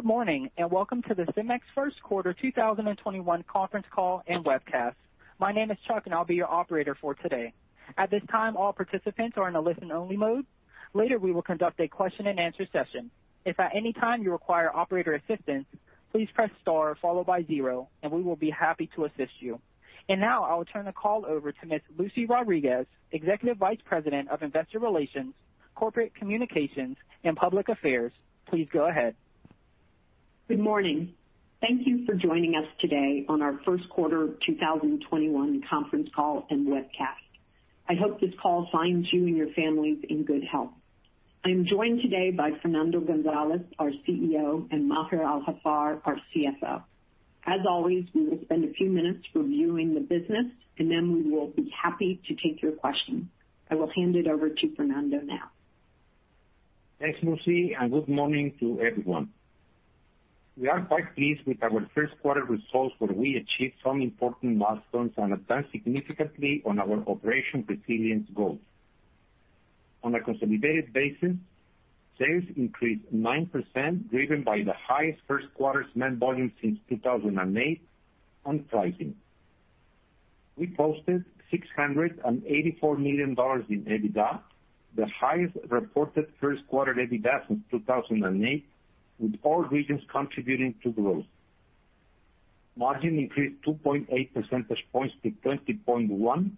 Good morning. Welcome to the CEMEX first quarter 2021 conference call and webcast. My name is Chuck, and I'll be your operator for today. At this time, all participants are in a listen-only mode. Later, we will conduct a question-and-answer session. If at any time you require operator assistance, please press star followed by zero, and we will be happy to assist you. Now I will turn the call over to Ms. Lucy Rodriguez, Executive Vice President of Investor Relations, Corporate Communications, and Public Affairs. Please go ahead. Good morning. Thank you for joining us today on our first quarter 2021 conference call and webcast. I hope this call finds you and your families in good health. I am joined today by Fernando González, our CEO, and Maher Al-Haffar, our CFO. As always, we will spend a few minutes reviewing the business, and then we will be happy to take your questions. I will hand it over to Fernando now. Thanks, Lucy. Good morning to everyone. We are quite pleased with our first quarter results, where we achieved some important milestones and advanced significantly on our Operation Resilience goals. On a consolidated basis, sales increased 9%, driven by the highest first quarter cement volume since 2008 on pricing. We posted $684 million in EBITDA, the highest reported first quarter EBITDA since 2008, with all regions contributing to growth. Margin increased 2.8 percentage points to 20.1%,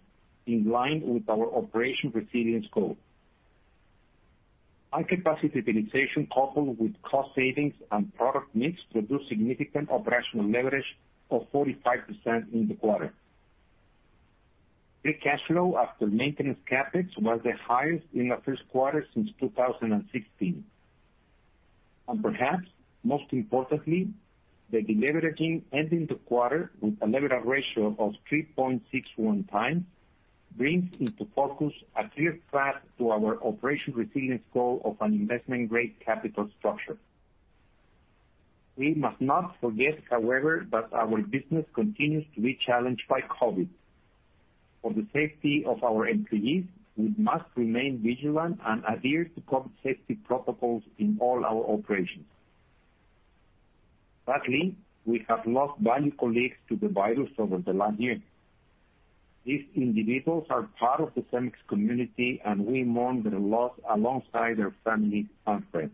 in line with our Operation Resilience goal. High capacity utilization, coupled with cost savings and product mix, produced significant operational leverage of 45% in the quarter. Free cash flow after maintenance CapEx was the highest in the first quarter since 2016. Perhaps most importantly, the deleveraging ending the quarter with a leverage ratio of 3.61x brings into focus a clear path to our Operation Resilience goal of an investment-grade capital structure. We must not forget, however, that our business continues to be challenged by COVID. For the safety of our employees, we must remain vigilant and adhere to COVID safety protocols in all our operations. Sadly, we have lost valued colleagues to the virus over the last year. These individuals are part of the CEMEX community, and we mourn their loss alongside their families and friends.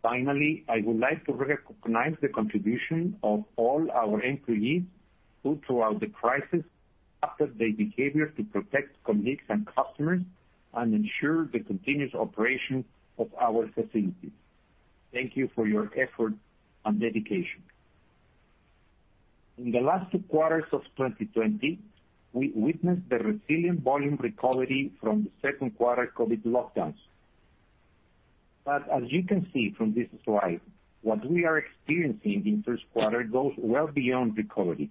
Finally, I would like to recognize the contribution of all our employees, who, throughout the crisis, adapted their behavior to protect colleagues and customers and ensure the continuous operation of our facilities. Thank you for your effort and dedication. In the last two quarters of 2020, we witnessed the resilient volume recovery from the second quarter COVID lockdowns. As you can see from this slide, what we are experiencing in first quarter goes well beyond recovery.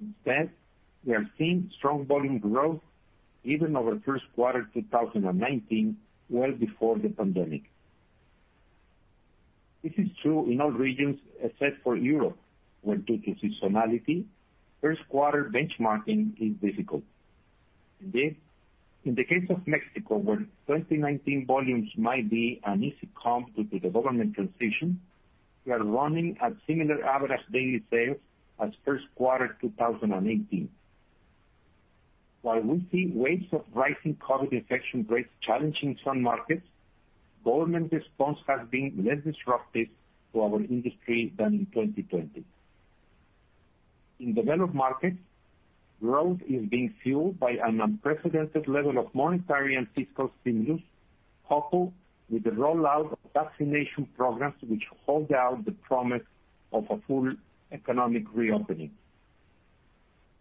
Instead, we are seeing strong volume growth even over first quarter 2019, well before the pandemic. This is true in all regions except for Europe, where due to seasonality, first quarter benchmarking is difficult. Indeed, in the case of Mexico, where 2019 volumes might be an easy comp due to the government transition, we are running at similar average daily sales as first quarter 2018. While we see waves of rising COVID infection rates challenging some markets, government response has been less disruptive to our industry than in 2020. In developed markets, growth is being fueled by an unprecedented level of monetary and fiscal stimulus, coupled with the rollout of vaccination programs, which hold out the promise of a full economic reopening.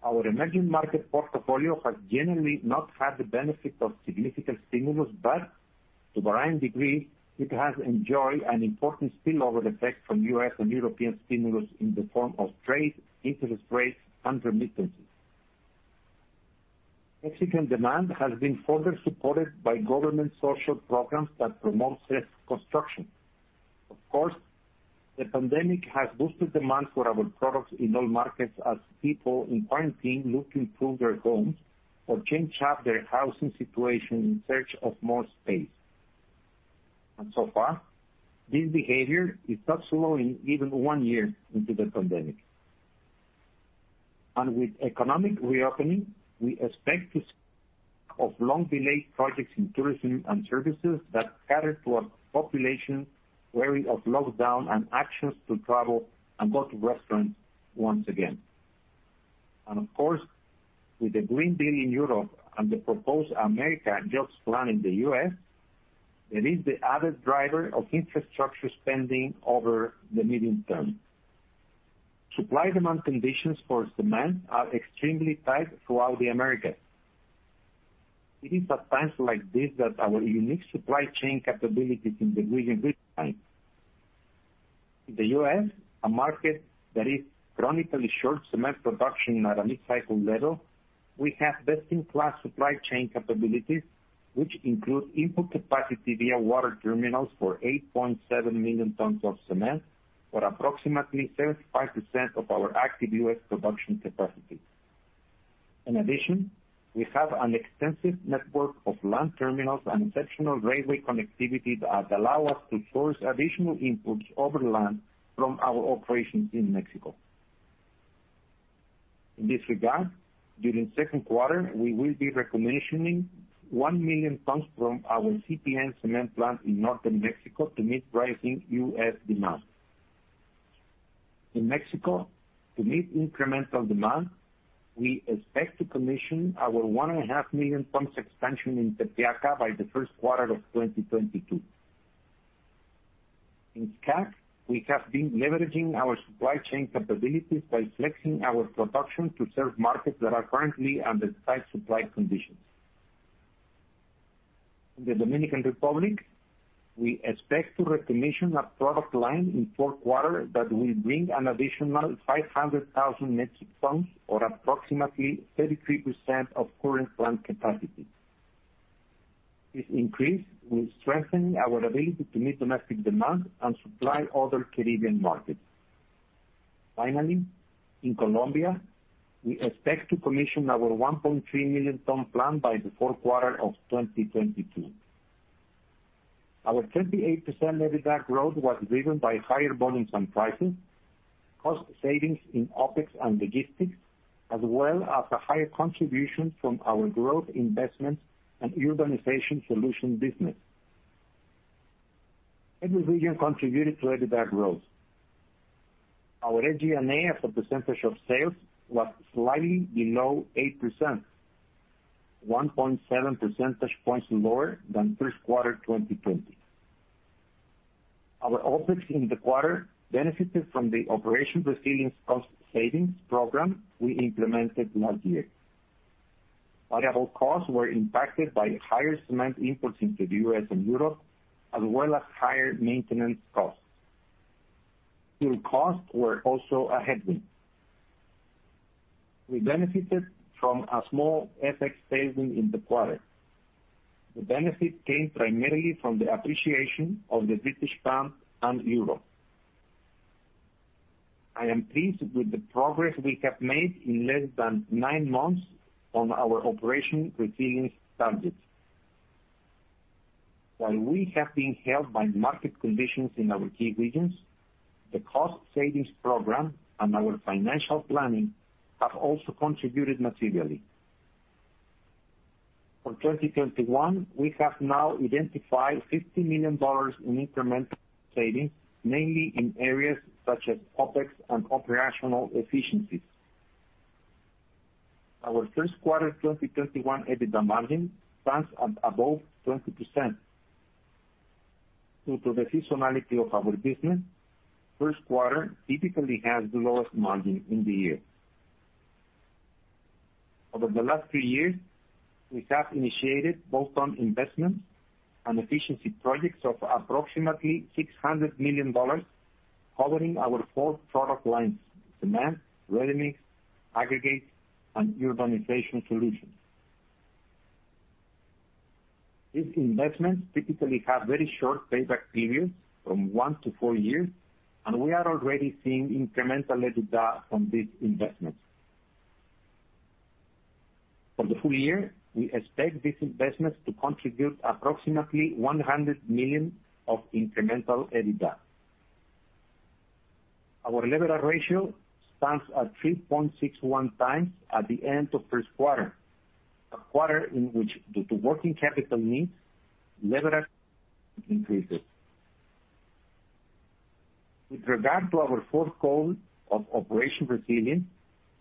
Our emerging market portfolio has generally not had the benefit of significant stimulus, but to varying degrees, it has enjoyed an important spillover effect from U.S. and European stimulus in the form of trade, interest rates, and remittances. Mexican demand has been further supported by government social programs that promote safe construction. Of course, the pandemic has boosted demand for our products in all markets as people in quarantine look to improve their homes or change up their housing situation in search of more space. So far, this behavior is not slowing even one year into the pandemic. With economic reopening, we expect to have long-delayed projects in tourism and services that cater to a population wary of lockdown and anxious to travel and go to restaurants once again. Of course, with the Green Deal in Europe and the proposed American Jobs Plan in the U.S., there is the added driver of infrastructure spending over the medium term. Supply-demand conditions for cement are extremely tight throughout the Americas. It is at times like this that our unique supply chain capabilities in the region really shine. In the U.S., a market that is chronically short cement production at a mid-cycle level, we have best-in-class supply chain capabilities, which include input capacity via water terminals for 8.7 million tons of cement, or approximately 75% of our active U.S. production capacity. In addition, we have an extensive network of land terminals and exceptional railway connectivity that allow us to source additional imports over land from our operations in Mexico. In this regard, during second quarter, we will be recommissioning 1 million tons from our CPN cement plant in northern Mexico to meet rising U.S. demand. In Mexico, to meet incremental demand, we expect to commission our 1.5 million tons expansion in Tepeaca by the first quarter of 2022. In CAC, we have been leveraging our supply chain capabilities by flexing our production to serve markets that are currently under tight supply conditions. In the Dominican Republic, we expect to recommission a product line in fourth quarter that will bring an additional 500,000 metric tons or approximately 33% of current plant capacity. This increase will strengthen our ability to meet domestic demand and supply other Caribbean markets. Finally, in Colombia, we expect to commission our 1.3 million ton plant by the fourth quarter of 2022. Our 38% EBITDA growth was driven by higher volumes and prices, cost savings in OpEx and logistics, as well as a higher contribution from our growth investments and Urbanization Solutions business. Every region contributed to EBITDA growth. Our SG&A as a percentage of sales was slightly below 8%, 1.7 percentage points lower than fist quarter 2020. Our OpEx in the quarter benefited from the Operation Resilience cost savings program we implemented last year. Variable costs were impacted by higher cement imports into the U.S. and Europe, as well as higher maintenance costs. Fuel costs were also a headwind. We benefited from a small FX saving in the quarter. The benefit came primarily from the appreciation of the British pound and euro. I am pleased with the progress we have made in less than nine months on our Operation Resilience targets. While we have been helped by market conditions in our key regions, the cost savings program and our financial planning have also contributed materially. For 2021, we have now identified $50 million in incremental savings, mainly in areas such as OpEx and operational efficiencies. Our first quarter 2021 EBITDA margin stands at above 20%. Due to the seasonality of our business, first quarter typically has the lowest margin in the year. Over the last three years, we have initiated both on investments and efficiency projects of approximately $600 million, covering our four product lines, cement, ready-mix, aggregates, and Urbanization Solutions. These investments typically have very short payback periods, from one to four years, and we are already seeing incremental EBITDA from these investments. For the full year, we expect these investments to contribute approximately $100 million of incremental EBITDA. Our leverage ratio stands at 3.61x at the end of first quarter, a quarter in which, due to working capital needs, leverage increases. With regard to our fourth goal of Operation Resilience,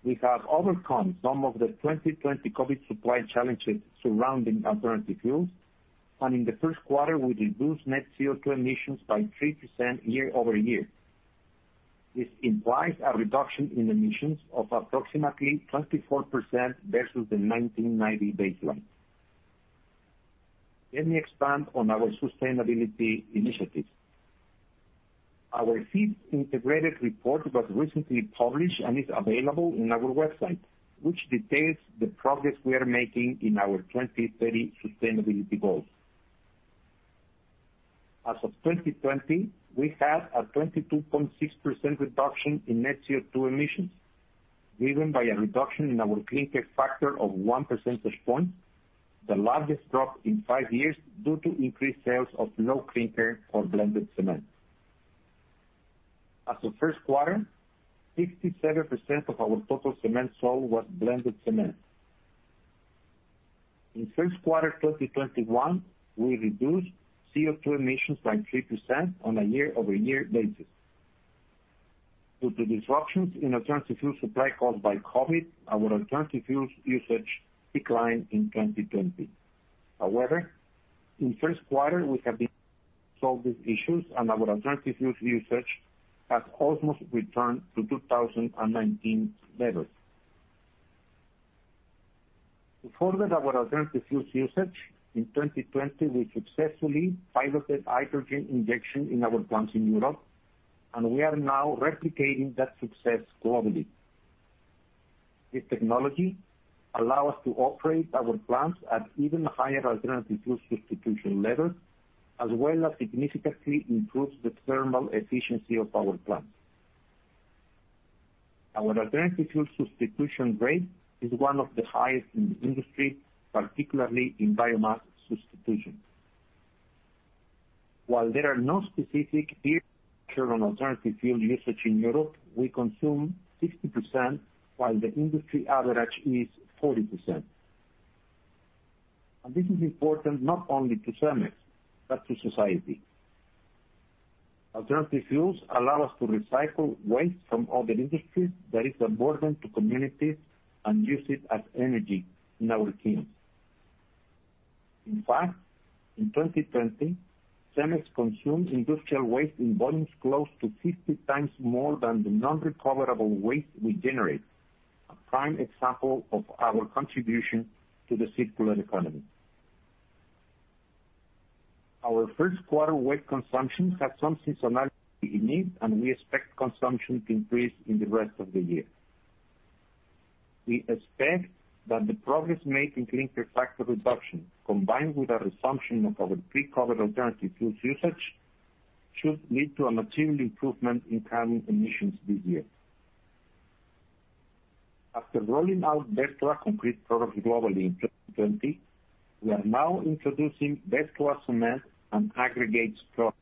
we have overcome some of the 2020 COVID supply challenges surrounding alternative fuels, and in the first quarter, we reduced net CO2 emissions by 3% year-over-year. This implies a reduction in emissions of approximately 24% versus the 1990 baseline. Let me expand on our sustainability initiatives. Our fifth integrated report was recently published and is available on our website, which details the progress we are making in our 2030 sustainability goals. As of 2020, we have a 22.6% reduction in net CO2 emissions, driven by a reduction in our clinker factor of one percentage point, the largest drop in five years, due to increased sales of low clinker or blended cement. As of first quarter, 67% of our total cement sold was blended cement. In first quarter 2021, we reduced CO2 emissions by 3% on a year-over-year basis. Due to disruptions in alternative fuel supply caused by COVID, our alternative fuels usage declined in 2020. In first quarter, we have been solving issues, and our alternative fuels usage has almost returned to 2019 levels. To further our alternative fuel usage, in 2020, we successfully piloted hydrogen injection in our plants in Europe, and we are now replicating that success globally. This technology allow us to operate our plants at even higher alternative fuel substitution levels, as well as significantly improve the thermal efficiency of our plants. Our alternative fuel substitution rate is one of the highest in the industry, particularly in biomass substitution. While there are no specific on alternative fuel usage in Europe, we consume 60%, while the industry average is 40%. This is important not only to CEMEX, but to society. Alternative fuels allow us to recycle waste from other industries that is a burden to communities and use it as energy in our kilns. In fact, in 2020, CEMEX consumed industrial waste in volumes close to 50x more than the non-recoverable waste we generate. A prime example of our contribution to the circular economy. Our first quarter waste consumption had some seasonality needs, and we expect consumption to increase in the rest of the year. We expect that the progress made in clinker factor reduction, combined with our assumption of our pre-COVID alternative fuels usage, should lead to a material improvement in carbon emissions this year. After rolling out Vertua concrete products globally in 2020, we are now introducing Vertua cement and aggregates products.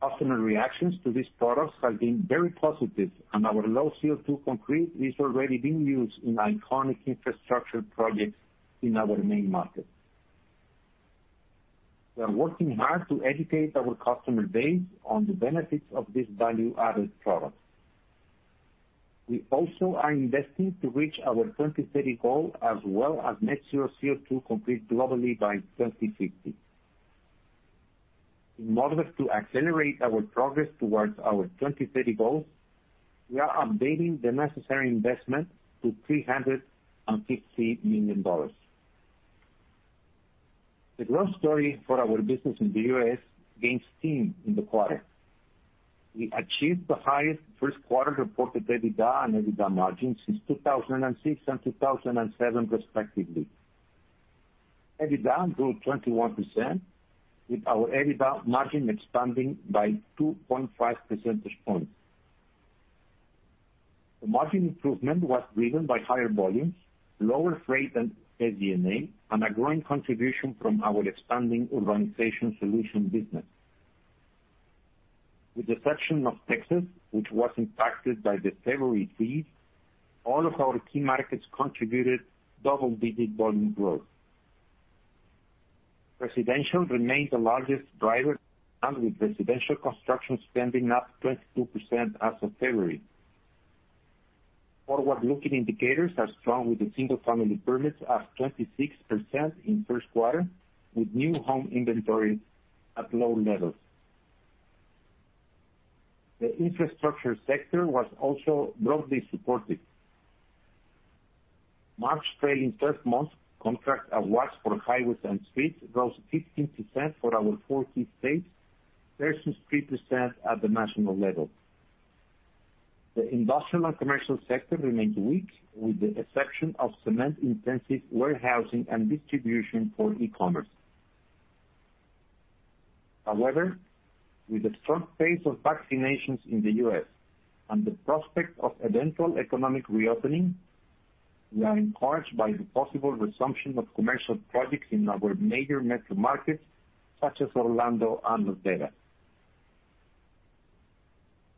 Customer reactions to these products have been very positive, and our low CO2 concrete is already being used in iconic infrastructure projects in our main markets. We are working hard to educate our customer base on the benefits of this value-added product. We also are investing to reach our 2030 goal, as well as net zero CO2 concrete globally by 2050. In order to accelerate our progress towards our 2030 goals, we are updating the necessary investment to $350 million. The growth story for our business in the U.S. gained steam in the quarter. We achieved the highest first quarter reported EBITDA and EBITDA margin since 2006 and 2007, respectively. EBITDA grew 21%, with our EBITDA margin expanding by 2.5 percentage points. The margin improvement was driven by higher volumes, lower freight and SG&A, and a growing contribution from our expanding Urbanization Solutions business. With the exception of Texas, which was impacted by the February freeze, all of our key markets contributed double-digit volume growth. Residential remained the largest driver, with residential construction spending up 22% as of February. Forward-looking indicators are strong, with the single-family permits up 26% in the first quarter, with new home inventories at low levels. The infrastructure sector was also broadly supported. March, trailing 12-month contract awards for highways and streets rose 15% for our four key states, versus 3% at the national level. The industrial and commercial sector remains weak, with the exception of cement-intensive warehousing and distribution for e-commerce. However, with the front pace of vaccinations in the U.S. and the prospect of eventual economic reopening, we are encouraged by the possible resumption of commercial projects in our major metro markets, such as Orlando and Las Vegas.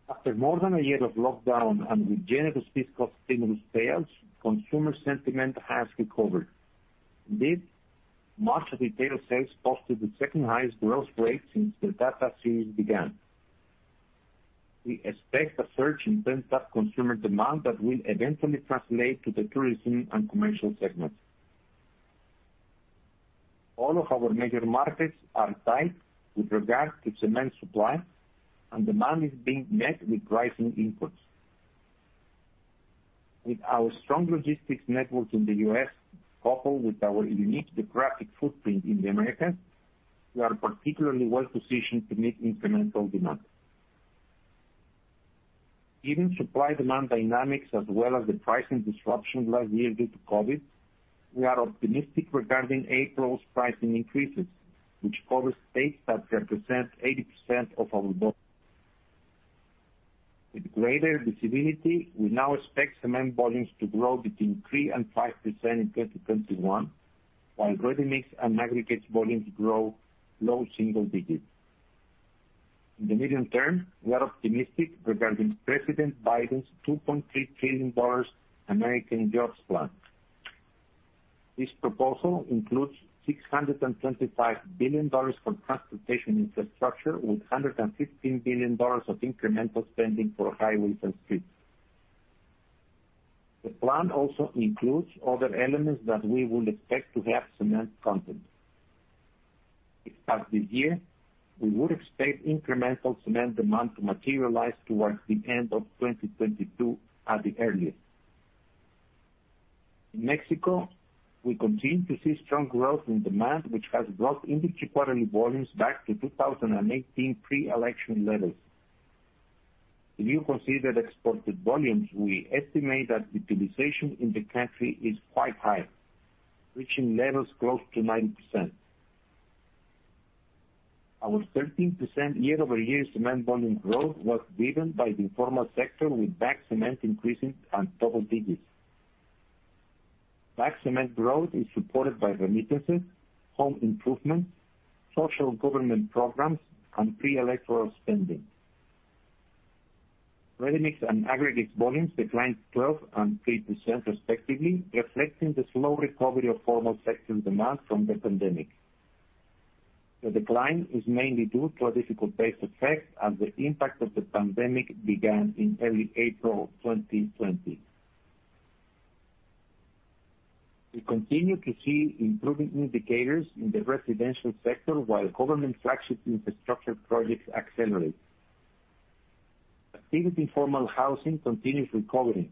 After more than a year of lockdown and with generous fiscal stimulus payouts, consumer sentiment has recovered. Indeed, March retail sales posted the second highest growth rate since the data series began. We expect a surge in pent-up consumer demand that will eventually translate to the tourism and commercial segments. All of our major markets are tight with regard to cement supply, and demand is being met with rising inputs. With our strong logistics network in the U.S., coupled with our unique geographic footprint in the Americas, we are particularly well-positioned to meet incremental demand. Given supply-demand dynamics as well as the pricing disruption last year due to COVID, we are optimistic regarding April's pricing increases, which cover states that represent 80% of our volume. With greater visibility, we now expect cement volumes to grow between 3% and 5% in 2021, while ready-mix and aggregates volumes grow low single-digits. In the medium term, we are optimistic regarding President Biden's $2.3 trillion American Jobs Plan. This proposal includes $625 billion for transportation infrastructure, with $115 billion of incremental spending for highways and streets. The plan also includes other elements that we would expect to have cement content. If passed this year, we would expect incremental cement demand to materialize towards the end of 2022 at the earliest. In Mexico, we continue to see strong growth in demand, which has brought industry quarterly volumes back to 2018 pre-election levels. If you consider exported volumes, we estimate that utilization in the country is quite high, reaching levels close to 90%. Our 13% year-over-year cement volume growth was driven by the informal sector, with bagged cement increasing at double digits. Bagged cement growth is supported by remittances, home improvements, social government programs, and pre-electoral spending. Ready-mix and aggregates volumes declined 12% and 3% respectively, reflecting the slow recovery of formal sector demand from the pandemic. The decline is mainly due to a difficult base effect as the impact of the pandemic began in early April 2020. We continue to see improving indicators in the residential sector while government flagship infrastructure projects accelerate. Activity in formal housing continues recovering,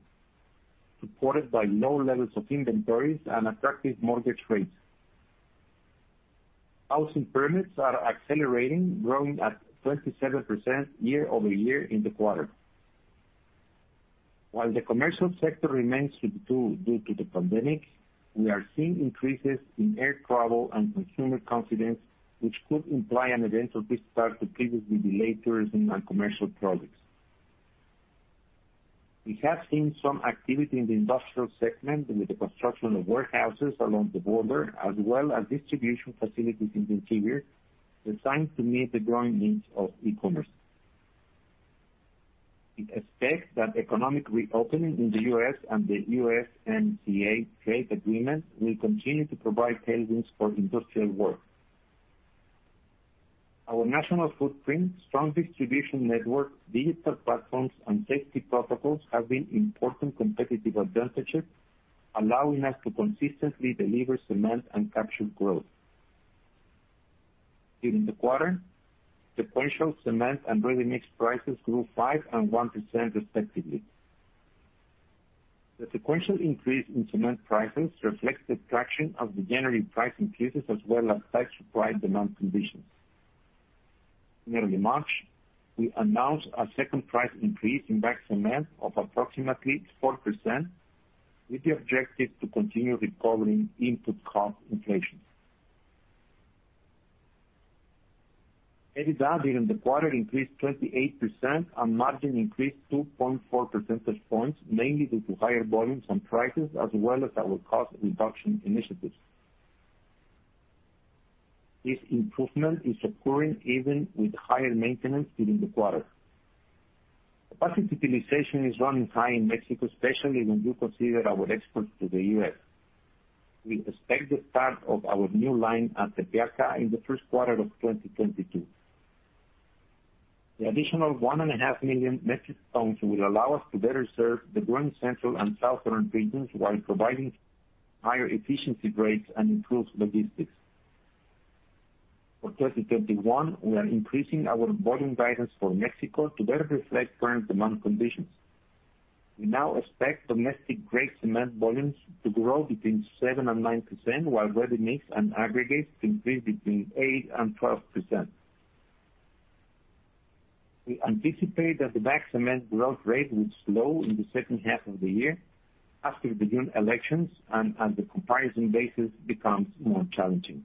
supported by low levels of inventories and attractive mortgage rates. Housing permits are accelerating, growing at 27% year-over-year in the quarter. While the commercial sector remains subdued due to the pandemic, we are seeing increases in air travel and consumer confidence, which could imply an eventual restart to previously delayed tourism and commercial projects. We have seen some activity in the industrial segment with the construction of warehouses along the border, as well as distribution facilities in the interior, designed to meet the growing needs of e-commerce. We expect that economic reopening in the U.S. and the USMCA trade agreement will continue to provide tailwinds for industrial work. Our national footprint, strong distribution network, digital platforms, and safety protocols have been important competitive advantages, allowing us to consistently deliver cement and capture growth. During the quarter, sequential cement and ready-mix prices grew 5% and 1% respectively. The sequential increase in cement prices reflects the traction of the January price increases as well as tight supply-demand conditions. In early March, we announced our second price increase in bagged cement of approximately 4%, with the objective to continue recovering input cost inflation. EBITDA during the quarter increased 28%, and margin increased 2.4 percentage points, mainly due to higher volumes and prices, as well as our cost reduction initiatives. This improvement is occurring even with higher maintenance during the quarter. Capacity utilization is running high in Mexico, especially when you consider our exports to the U.S. We expect the start of our new line at Tepeaca in the first quarter of 2022. The additional 1.5 million metric tons will allow us to better serve the growing central and southern regions while providing higher efficiency rates and improved logistics. For 2021, we are increasing our volume guidance for Mexico to better reflect current demand conditions. We now expect domestic gray cement volumes to grow between 7%-9%, while ready-mix and aggregates increase between 8%-12%. We anticipate that the bagged cement growth rate will slow in the second half of the year after the June elections and as the comparison basis becomes more challenging.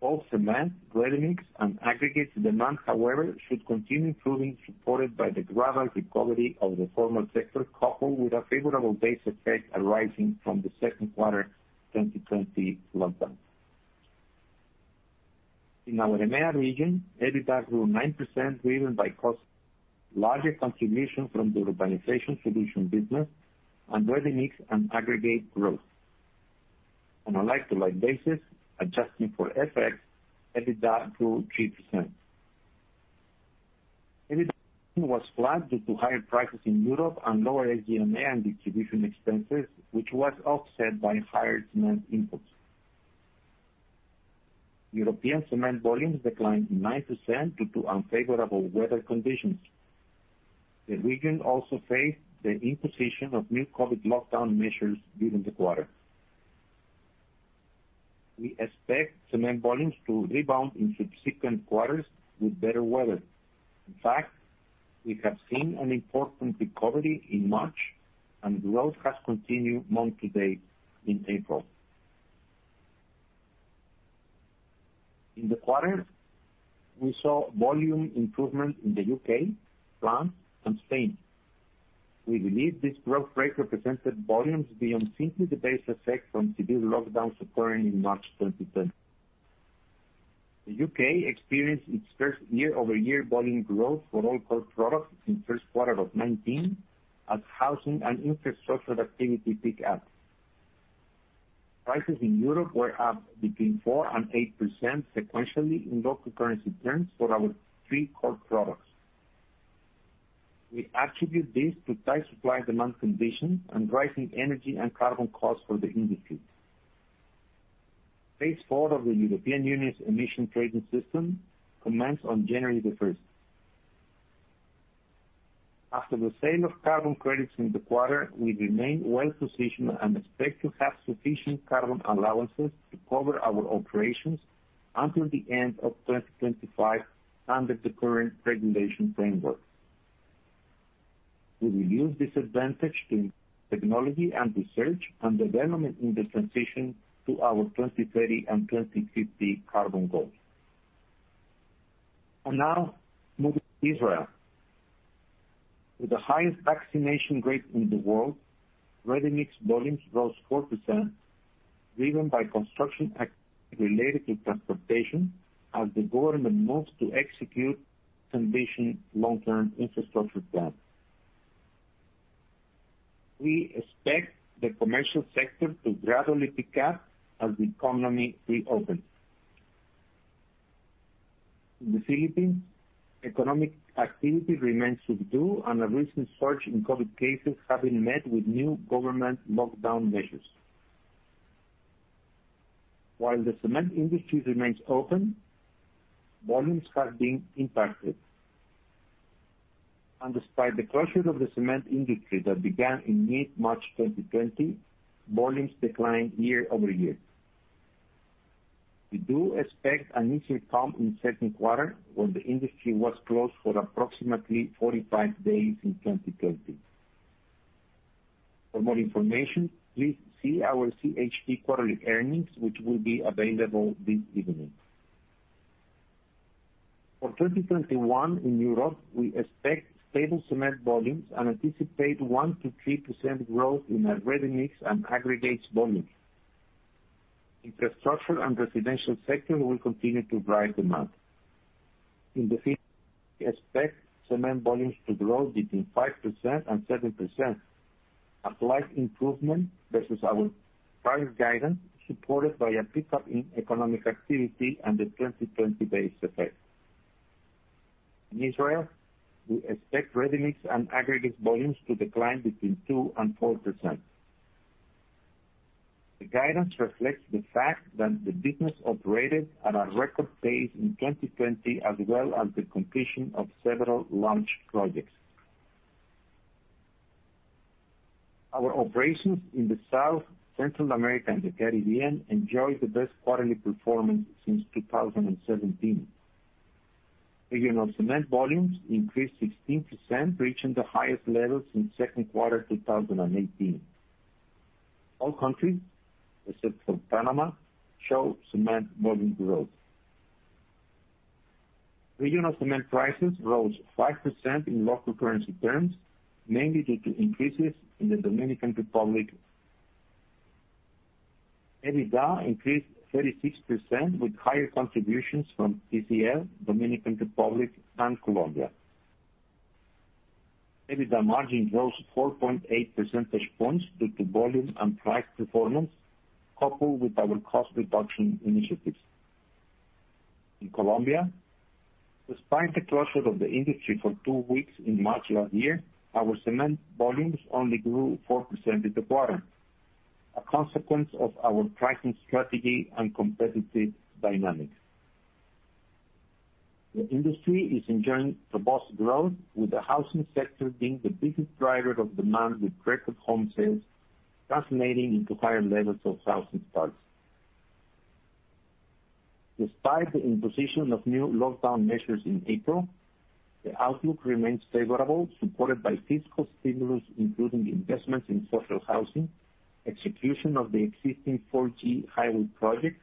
Both cement, ready-mix, and aggregates demand, however, should continue improving, supported by the gradual recovery of the formal sector, coupled with a favorable base effect arising from the second quarter 2020 lockdown. In our EMEA region, EBITDA grew 9%, driven by cost, larger contribution from the Urbanization Solutions business, and ready-mix and aggregate growth. On a like-to-like basis, adjusting for FX, EBITDA grew 3%. EBITDA was flat due to higher prices in Europe and lower SG&A and distribution expenses, which was offset by higher cement inputs. European cement volumes declined 9% due to unfavorable weather conditions. The region also faced the imposition of new COVID lockdown measures during the quarter. We expect cement volumes to rebound in subsequent quarters with better weather. In fact, we have seen an important recovery in March, and growth has continued month-to-date in April. In the quarter, we saw volume improvement in the U.K., France, and Spain. We believe this growth rate represented volumes beyond simply the base effect from severe lockdowns occurring in March 2020. The U.K. experienced its first year-over-year volume growth for all core products since first quarter of 2019 as housing and infrastructure activity pick up. Prices in Europe were up between 4% and 8% sequentially in local currency terms for our three core products. We attribute this to tight supply-demand conditions and rising energy and carbon costs for the industry. Phase IV of the European Union Emissions Trading System commenced on January the 1st. After the sale of carbon credits in the quarter, we remain well-positioned and expect to have sufficient carbon allowances to cover our operations until the end of 2025 under the current regulation framework. We will use this advantage to technology and research and development in the transition to our 2030 and 2050 carbon goals. Now moving to Israel. With the highest vaccination rate in the world, ready-mix volumes rose 4%, driven by construction activity related to transportation, as the government moves to execute an ambitious long-term infrastructure plan. We expect the commercial sector to gradually pick up as the economy reopens. In the Philippines, economic activity remains subdued, and a recent surge in COVID cases have been met with new government lockdown measures. While the cement industry remains open, volumes have been impacted. Despite the closure of the cement industry that began in mid-March 2020, volumes declined year-over-year. We do expect an easier comp in second quarter, when the industry was closed for approximately 45 days in 2020. For more information, please see our CHP quarterly earnings, which will be available this evening. For 2021, in Europe, we expect stable cement volumes and anticipate 1%-3% growth in our ready-mix and aggregates volumes. Infrastructure and residential sector will continue to drive demand. In the Philippines, we expect cement volumes to grow between 5% and 7%, a slight improvement versus our prior guidance, supported by a pickup in economic activity and the 2020 base effect. In Israel, we expect ready-mix and aggregate volumes to decline between 2% and 4%. The guidance reflects the fact that the business operated at a record pace in 2020, as well as the completion of several large projects. Our operations in the South, Central America, and the Caribbean enjoyed the best quarterly performance since 2017. Regional cement volumes increased 16%, reaching the highest level since second quarter 2018. All countries, except for Panama, show cement volume growth. Regional cement prices rose 5% in local currency terms, mainly due to increases in the Dominican Republic. EBITDA increased 36% with higher contributions from TCL, Dominican Republic, and Colombia. EBITDA margin rose 4.8 percentage points due to volume and price performance, coupled with our cost reduction initiatives. In Colombia, despite the closure of the industry for two weeks in March last year, our cement volumes only grew 4% quarter, a consequence of our pricing strategy and competitive dynamics. The industry is enjoying robust growth, with the housing sector being the biggest driver of demand, with record home sales translating into higher levels of housing starts. Despite the imposition of new lockdown measures in April, the outlook remains favorable, supported by fiscal stimulus, including investments in social housing, execution of the existing 4G highway projects,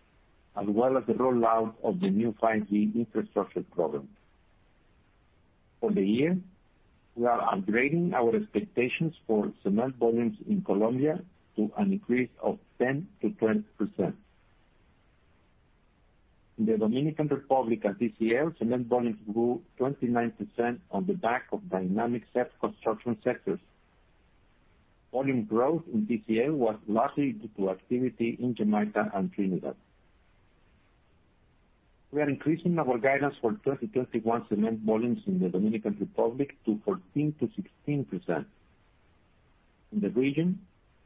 as well as the rollout of the new 5G infrastructure program. For the year, we are upgrading our expectations for cement volumes in Colombia to an increase of 10%-20%. In the Dominican Republic and TCL, cement volumes grew 29% on the back of dynamic construction sectors. Volume growth in TCL was largely due to activity in Jamaica and Trinidad. We are increasing our guidance for 2021 cement volumes in the Dominican Republic to 14%-16%. In the region,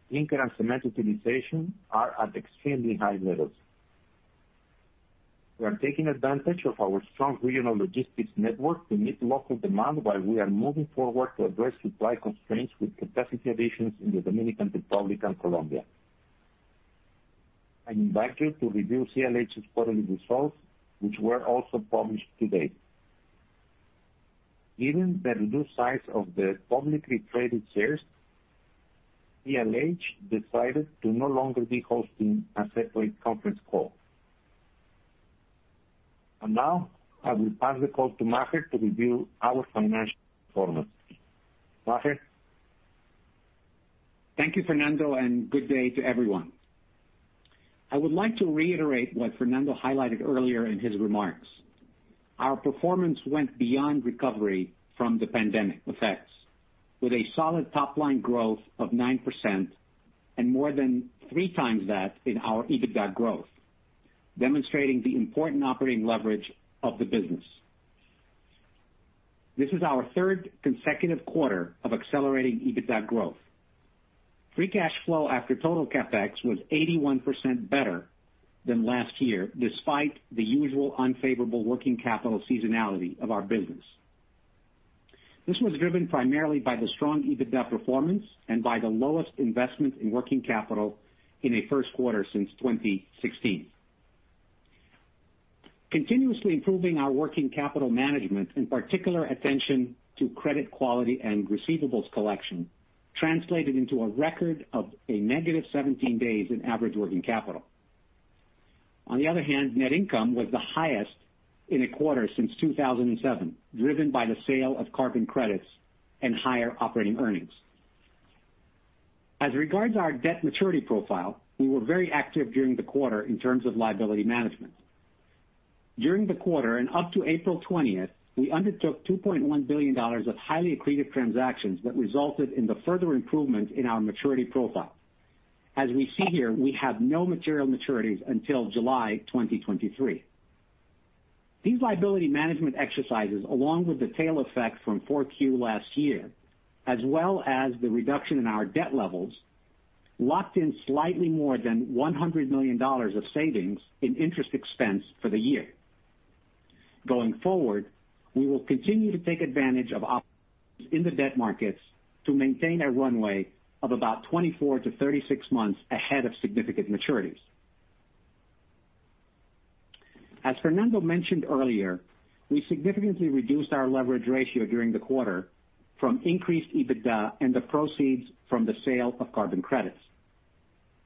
clinker and cement utilization are at extremely high levels. We are taking advantage of our strong regional logistics network to meet local demand while we are moving forward to address supply constraints with capacity additions in the Dominican Republic and Colombia. I invite you to review CLH's quarterly results, which were also published today. Given the reduced size of the publicly traded shares, CLH decided to no longer be hosting a separate conference call. Now I will pass the call to Maher to review our financial performance. Maher? Thank you, Fernando, and good day to everyone. I would like to reiterate what Fernando highlighted earlier in his remarks. Our performance went beyond recovery from the pandemic effects, with a solid top-line growth of 9% and more than three times that in our EBITDA growth, demonstrating the important operating leverage of the business. This is our third consecutive quarter of accelerating EBITDA growth. Free cash flow after total CapEx was 81% better than last year, despite the usual unfavorable working capital seasonality of our business. This was driven primarily by the strong EBITDA performance and by the lowest investment in working capital in a first quarter since 2016. Continuously improving our working capital management, in particular attention to credit quality and receivables collection, translated into a record of a -17 days in average working capital. On the other hand, net income was the highest in a quarter since 2007, driven by the sale of carbon credits and higher operating earnings. As regards our debt maturity profile, we were very active during the quarter in terms of liability management. During the quarter and up to April 20th, we undertook $2.1 billion of highly accretive transactions that resulted in the further improvement in our maturity profile. As we see here, we have no material maturities until July 2023. These liability management exercises, along with the tail effect from 4Q last year, as well as the reduction in our debt levels, locked in slightly more than $100 million of savings in interest expense for the year. Going forward, we will continue to take advantage of opportunities in the debt markets to maintain a runway of about 24 to 36 months ahead of significant maturities. As Fernando mentioned earlier, we significantly reduced our leverage ratio during the quarter from increased EBITDA and the proceeds from the sale of carbon credits.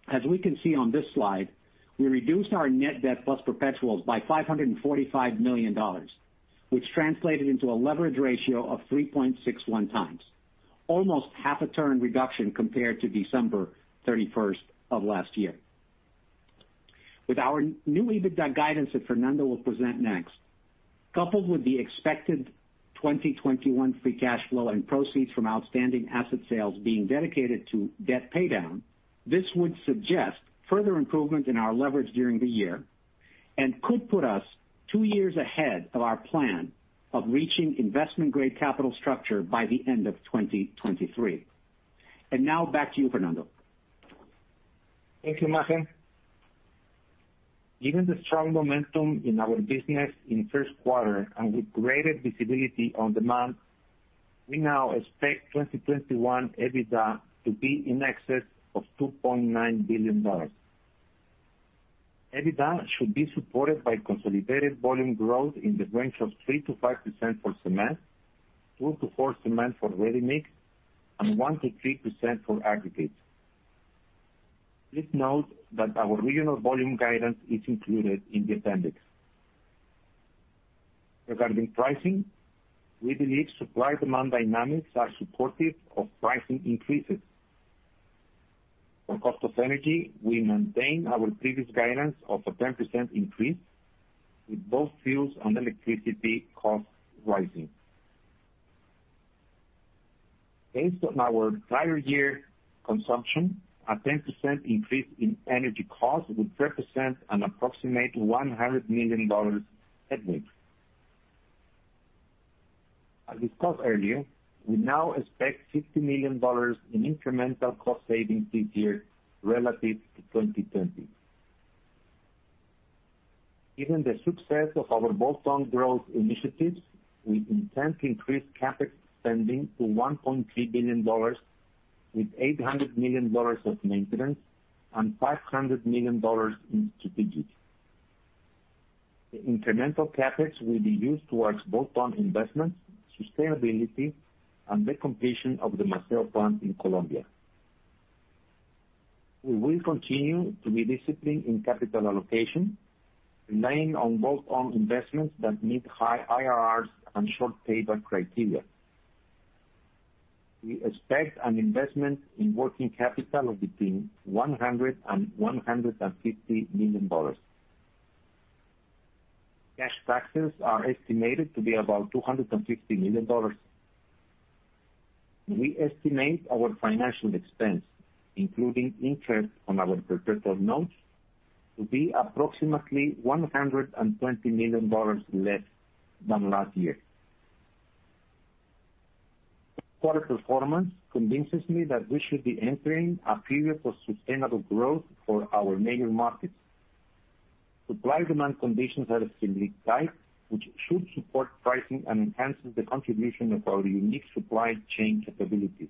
As we can see on this slide, we reduced our net debt plus perpetuals by $545 million, which translated into a leverage ratio of 3.61x, almost half a turn reduction compared to December 31st of last year. With our new EBITDA guidance that Fernando will present next, coupled with the expected 2021 free cash flow and proceeds from outstanding asset sales being dedicated to debt paydown, this would suggest further improvement in our leverage during the year and could put us two years ahead of our plan of reaching investment-grade capital structure by the end of 2023. Now back to you, Fernando. Thank you, Maher. Given the strong momentum in our business in first quarter and with greater visibility on demand, we now expect 2021 EBITDA to be in excess of $2.9 billion. EBITDA should be supported by consolidated volume growth in the range of 3%-5% for cement, 2%-4% for ready-mix, and 1%-3% for aggregate. Please note that our regional volume guidance is included in the appendix. Regarding pricing, we believe supply-demand dynamics are supportive of pricing increases. For cost of energy, we maintain our previous guidance of a 10% increase with both fuels and electricity costs rising. Based on our entire year consumption, a 10% increase in energy costs would represent an approximate $100 million headwind. As discussed earlier, we now expect $50 million in incremental cost savings this year relative to 2020. Given the success of our bolt-on growth initiatives, we intend to increase CapEx spending to $1.3 billion, with $800 million of maintenance and $500 million in strategic. The incremental CapEx will be used towards bolt-on investments, sustainability, and the completion of the Maceo plant in Colombia. We will continue to be disciplined in capital allocation, relying on bolt-on investments that meet high IRRs and short payback criteria. We expect an investment in working capital of between $100 million and $150 million. Cash taxes are estimated to be about $250 million. We estimate our financial expense, including interest on our perpetual notes, to be approximately $120 million less than last year. Quarter performance convinces me that we should be entering a period of sustainable growth for our major markets. Supply-demand conditions are extremely tight, which should support pricing and enhance the contribution of our unique supply chain capabilities.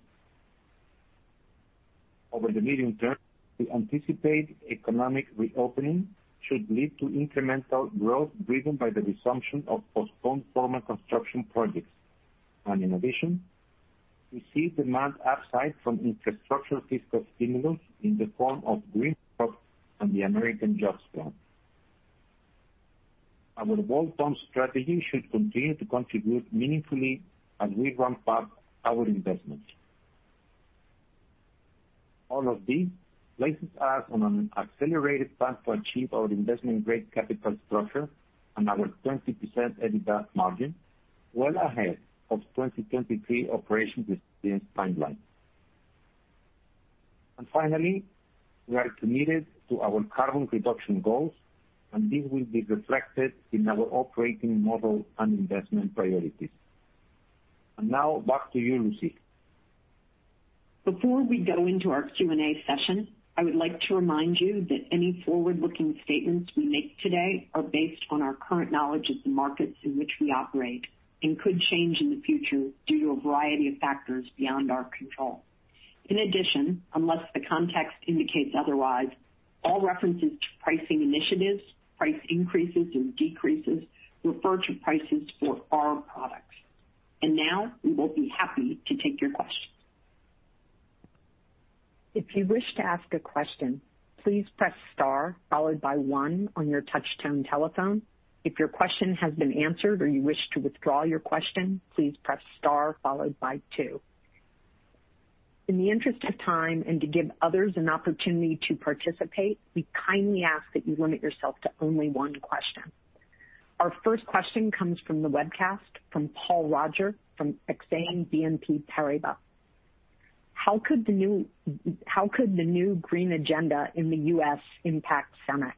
Over the medium term, the anticipated economic reopening should lead to incremental growth driven by the resumption of postponed former construction projects. In addition, we see demand upside from infrastructure fiscal stimulus in the form of green growth and the American Jobs Plan. Our bolt-on strategy should continue to contribute meaningfully as we ramp up our investments. All of this places us on an accelerated path to achieve our investment-grade capital structure and our 20% EBITDA margin well ahead of 2023 Operation Resilience timelines. Finally, we are committed to our carbon reduction goals, and this will be reflected in our operating model and investment priorities. Now back to you, Lucy. Before we go into our Q&A session, I would like to remind you that any forward-looking statements we make today are based on our current knowledge of the markets in which we operate and could change in the future due to a variety of factors beyond our control. In addition, unless the context indicates otherwise, all references to pricing initiatives, price increases or decreases refer to prices for our products. Now we will be happy to take your questions. If you wish to ask a question, please press star followed by one on your touch-tone telephone. If your question has been answered or you wish to withdraw your question, please press star followed by two. In the interest of time and to give others an opportunity to participate, we kindly ask that you limit yourself to only one question. Our first question comes from the webcast from Paul Roger from Exane BNP Paribas. How could the new green agenda in the U.S. impact CEMEX?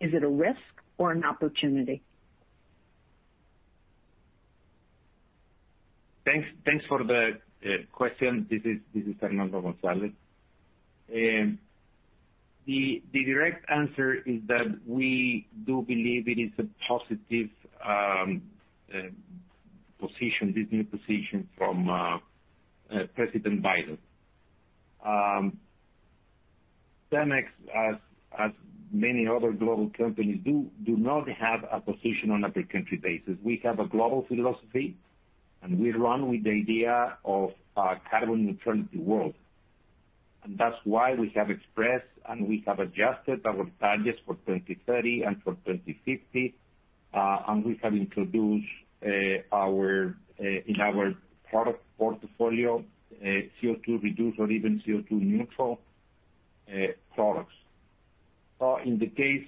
Is it a risk or an opportunity? Thanks for the question. This is Fernando González. The direct answer is that we do believe it is a positive position, this new position from President Biden. CEMEX, as many other global companies do not have a position on a per-country basis. We have a global philosophy, and we run with the idea of a carbon neutrality world. That's why we have expressed and we have adjusted our targets for 2030 and for 2050. We have introduced in our product portfolio, CO2 reduced or even CO2 neutral products. In the case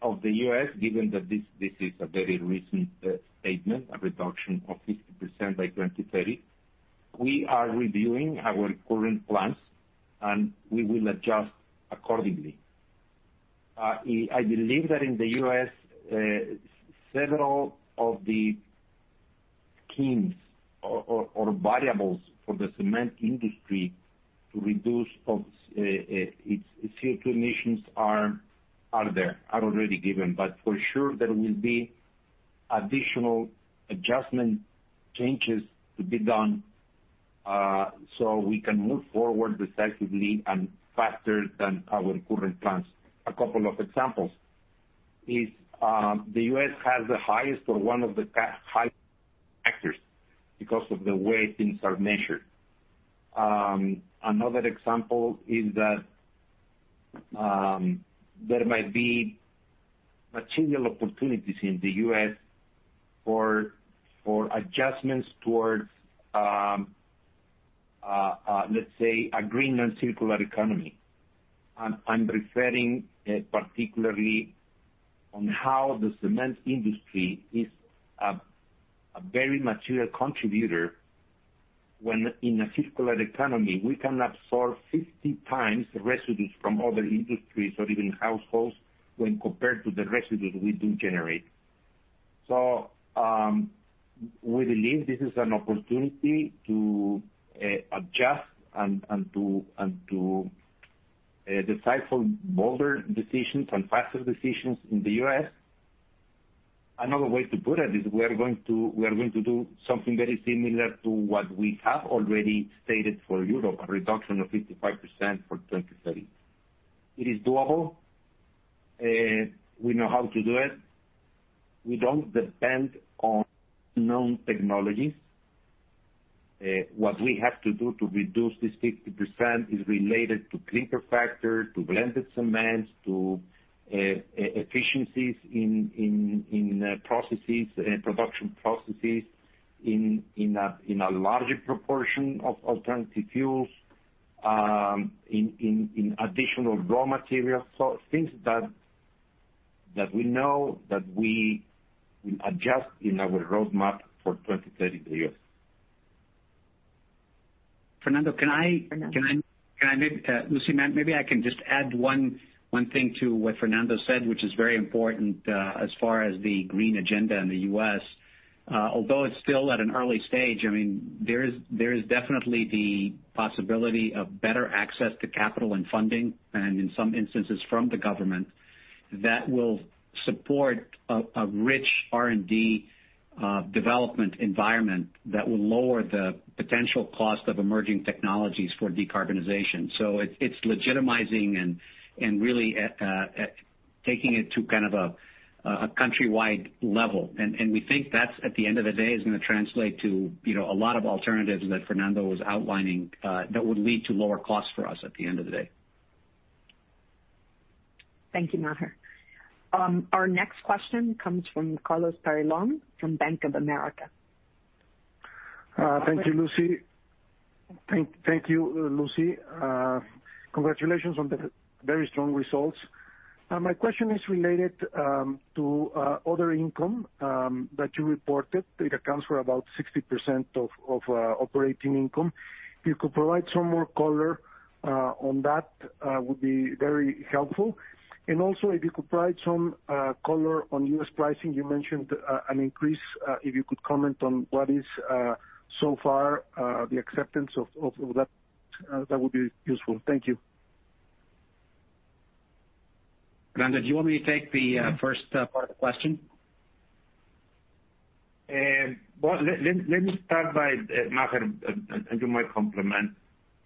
of the U.S., given that this is a very recent statement, a reduction of 50% by 2030, we are reviewing our current plans, and we will adjust accordingly. I believe that in the U.S., several of the keys or variables for the cement industry to reduce its CO2 emissions are there, are already given. For sure, there will be additional adjustment changes to be done so we can move forward decisively and faster than our current plans. A couple of examples is, the U.S. has the highest or one of the highest factors because of the way things are measured. Another example is that there might be material opportunities in the U.S. for adjustments towards, let's say, a green and circular economy. I'm referring particularly on how the cement industry is a very material contributor when in a circular economy, we can absorb 50 times the residues from other industries or even households when compared to the residues we do generate. We believe this is an opportunity to adjust and to decide for bolder decisions and faster decisions in the U.S. Another way to put it is we are going to do something very similar to what we have already stated for Europe, a reduction of 55% for 2030. It is doable. We know how to do it. We don't depend on known technologies. What we have to do to reduce this 50% is related to clinker factor, to blended cements, to efficiencies in production processes, in a larger proportion of alternative fuels, in additional raw materials. Things that we know that we adjust in our roadmap for 2030 year. Fernando, can I- Fernando. Lucy, maybe I can just add one thing to what Fernando said, which is very important, as far as the green agenda in the U.S. Although it's still at an early stage, there is definitely the possibility of better access to capital and funding, and in some instances from the government, that will support a rich R&D development environment that will lower the potential cost of emerging technologies for decarbonization. It's legitimizing and really taking it to a countrywide level. We think that at the end of the day, is going to translate to a lot of alternatives that Fernando was outlining, that would lead to lower costs for us at the end of the day. Thank you, Maher. Our next question comes from Carlos Peyrelongue from Bank of America. Thank you, Lucy. Congratulations on the very strong results. My question is related to other income that you reported that accounts for about 60% of operating income. If you could provide some more color on that, would be very helpful. Also, if you could provide some color on U.S. pricing. You mentioned an increase. If you could comment on what is so far, the acceptance of that would be useful. Thank you. Fernando, do you want me to take the first part of the question? Well, let me start, Maher, and you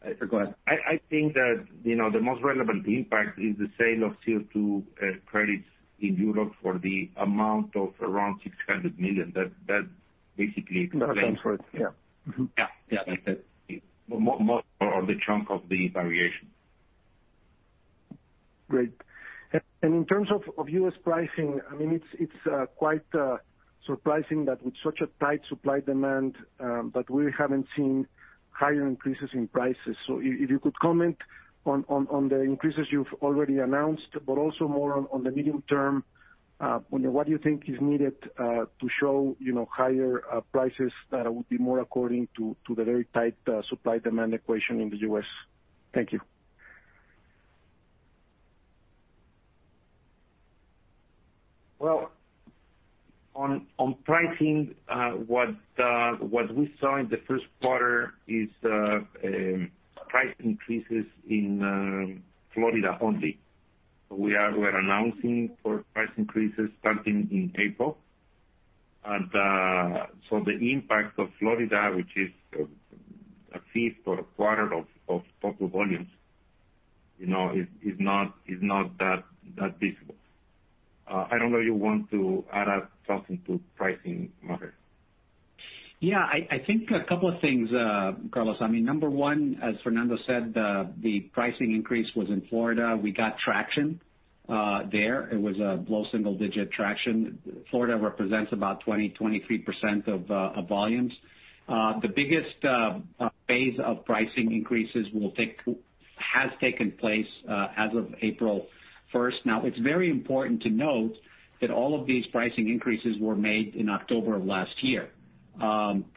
might complement. Go ahead. I think that the most relevant impact is the sale of CO2 credits in Europe for the amount of around $600 million. That accounts for it. Yeah. Yeah. That's it, or the chunk of the variation. Great. In terms of U.S. pricing, it's quite surprising that with such a tight supply-demand, that we haven't seen higher increases in prices. If you could comment on the increases you've already announced, but also more on the medium term, what do you think is needed to show higher prices that would be more according to the very tight supply-demand equation in the U.S.? Thank you. Well, on pricing, what we saw in the first quarter is price increases in Florida only. We're announcing for price increases starting in April. The impact of Florida, which is a fifth or a quarter of total volumes, is not that visible. I don't know if you want to add something to pricing, Maher. I think a couple of things, Carlos. Number one, as Fernando said, the pricing increase was in Florida. We got traction there. It was a low single-digit traction. Florida represents about 20%, 23% of volumes. The biggest phase of pricing increases has taken place as of April 1st. It's very important to note that all of these pricing increases were made in October of last year,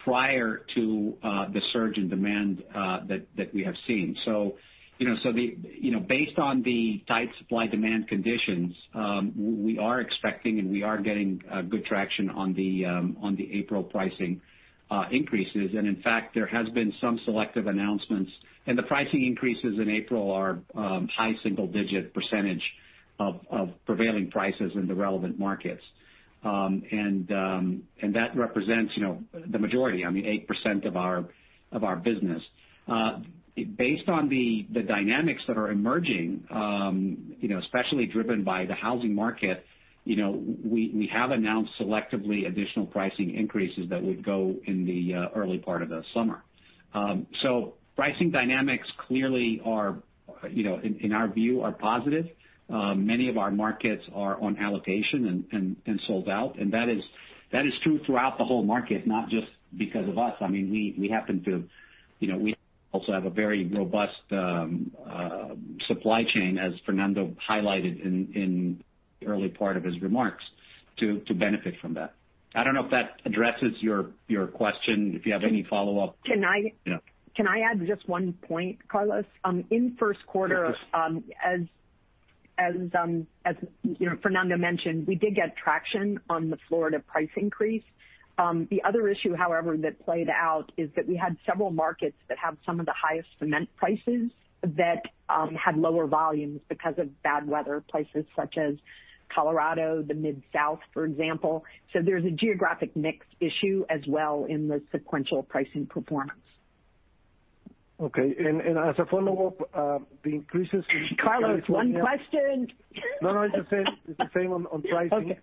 prior to the surge in demand that we have seen. Based on the tight supply-demand conditions, we are expecting, and we are getting good traction on the April pricing increases. In fact, there has been some selective announcements, and the pricing increases in April are high single-digit percentage of prevailing prices in the relevant markets. That represents the majority, 8% of our business. Based on the dynamics that are emerging, especially driven by the housing market, we have announced selectively additional pricing increases that would go in the early part of the summer. Pricing dynamics clearly, in our view, are positive. Many of our markets are on allocation and sold out, and that is true throughout the whole market, not just because of us. We also have a very robust supply chain, as Fernando highlighted in the early part of his remarks, to benefit from that. I don't know if that addresses your question. If you have any follow-up. Can I- Yeah. Can I add just one point, Carlos? In the first quarter. Yes, please. as Fernando mentioned, we did get traction on the Florida price increase. The other issue, however, that played out is that we had several markets that have some of the highest cement prices that had lower volumes because of bad weather. Places such as Colorado, the Mid-South, for example. There's a geographic mix issue as well in the sequential pricing performance. Okay. As a follow-up, Carlos, one question. No, it's the same on pricing.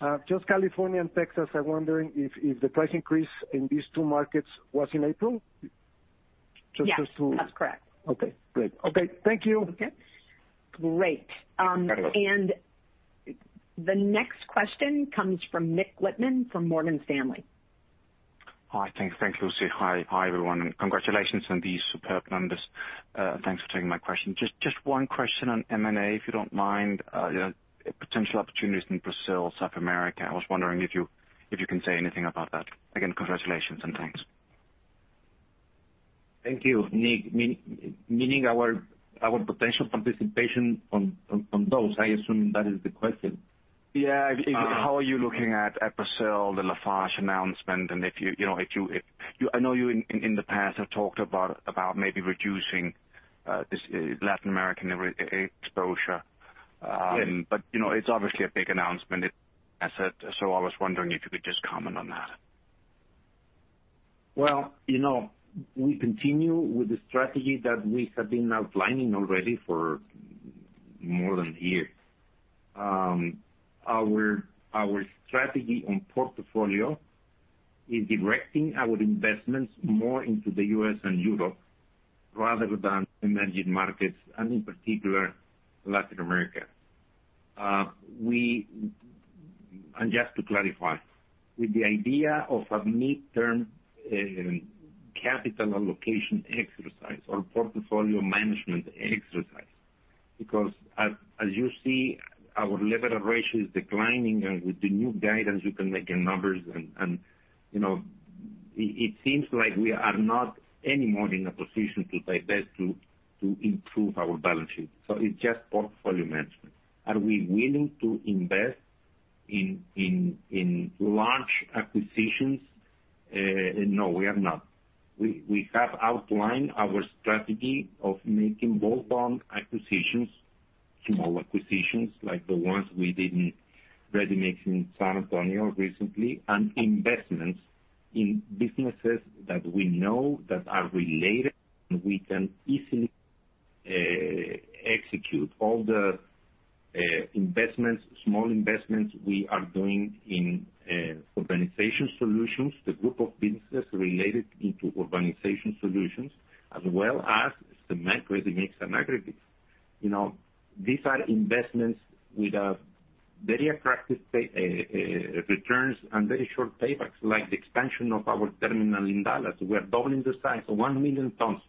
Okay. Just California and Texas, I'm wondering if the price increase in these two markets was in April? Just those two. Yes. That's correct. Okay, great. Okay. Thank you. Okay. Great. Carlos. The next question comes from Nik Lippmann from Morgan Stanley. Hi. Thank you, Lucy. Hi, everyone, and congratulations on these superb numbers. Thanks for taking my question. Just one question on M&A, if you don't mind, potential opportunities in Brazil, South America. I was wondering if you can say anything about that. Again, congratulations and thanks. Thank you, Nik. Meaning our potential participation on those, I assume that is the question. Yeah. How are you looking at Brazil, the Lafarge announcement, and I know you in the past have talked about maybe reducing this Latin American exposure? Yes. It's obviously a big announcement, asset, so I was wondering if you could just comment on that. Well, we continue with the strategy that we have been outlining already for more than a year. Our strategy on portfolio is directing our investments more into the U.S. and Europe rather than emerging markets, and in particular, Latin America. Just to clarify, with the idea of a midterm capital allocation exercise or portfolio management exercise. Because as you see, our leverage ratio is declining, and with the new guidance, you can make your numbers, and it seems like we are not any more in a position to divest to improve our balance sheet. It's just portfolio management, and we're willing to invest in large acquisitions, no, we are not. We have outlined our strategy of making bolt-on acquisitions, small acquisitions like the ones we did in ready-mix in San Antonio recently, and investments in businesses that we know that are related, and we can easily execute all the small investments we are doing in Urbanization Solutions, the group of businesses related into Urbanization Solutions, as well as cement, ready-mix, and aggregates. These are investments with very attractive returns and very short paybacks, like the expansion of our terminal in Dallas. We are doubling the size to 1 million tons.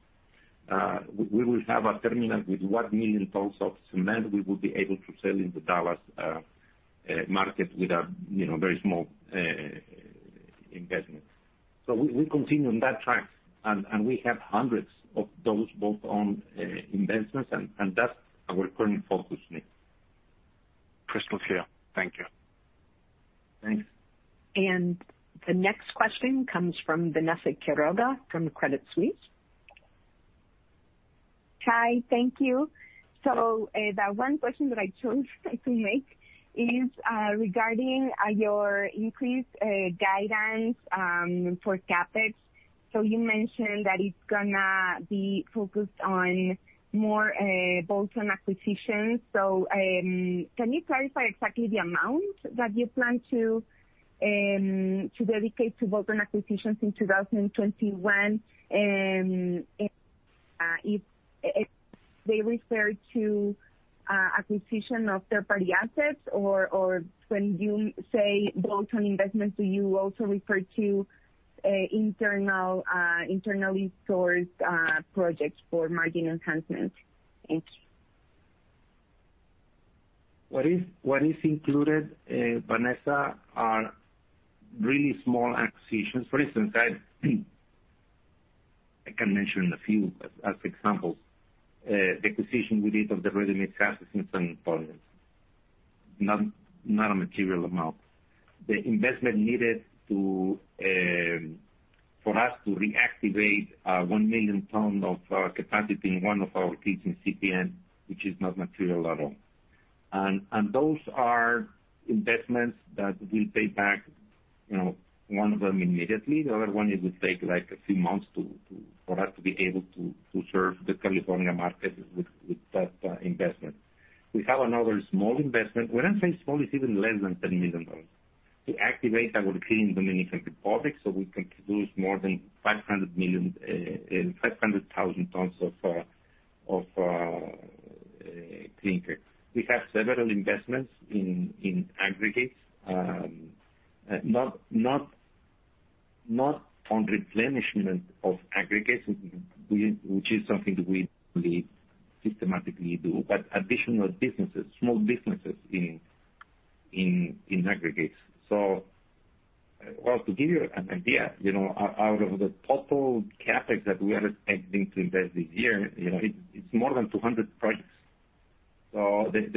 We will have a terminal with 1 million tons of cement we will be able to sell in the Dallas market with a very small investment. We continue on that track, and we have hundreds of those bolt-on investments, and that's our current focus, Nik. Crystal clear. Thank you. Thanks. The next question comes from Vanessa Quiroga from Credit Suisse. Hi. Thank you. The one question that I chose to make is regarding your increased guidance for CapEx. You mentioned that it's going to be focused on more bolt-on acquisitions. Can you clarify exactly the amount that you plan to dedicate to bolt-on acquisitions in 2021, and if they refer to acquisition of third-party assets? When you say bolt-on investments, do you also refer to internally sourced projects for margin enhancement? Thank you. What is included, Vanessa, are really small acquisitions. For instance, I can mention a few as examples. The acquisition we did of the ready-mix assets in San Antonio, not a material amount. The investment needed for us to reactivate 1 million tons of capacity in one of our plants in CPN, which is not material at all. Those are investments that will pay back, one of them immediately. The other one, it would take a few months for us to be able to serve the California market with that investment. We have another small investment. When I'm saying small, it's even less than $10 million. To activate our plant in Dominican Republic so we can produce more than 500,000 tons of clinker. We have several investments in aggregates. Not on replenishment of aggregates, which is something that we systematically do, but additional businesses, small businesses in aggregates. Well, to give you an idea, out of the total CapEx that we are expecting to invest this year, it's more than 200 projects. They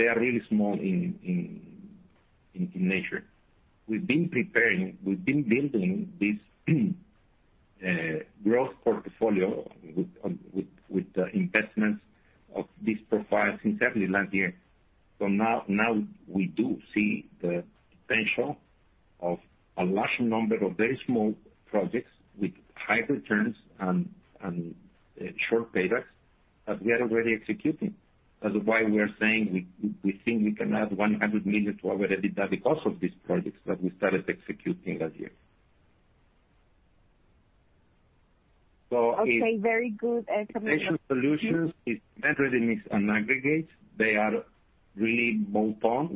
are really small in nature. We've been preparing, we've been building this growth portfolio with the investments of this profile since early last year. Now we do see the potential of a large number of very small projects with high returns and short paybacks that we are already executing. That's why we are saying we think we can add $100 million to our EBITDA because of these projects that we started executing last year. Okay. Very good. Urbanization Solutions is cement, ready-mix, and aggregates. They are really bolt-on.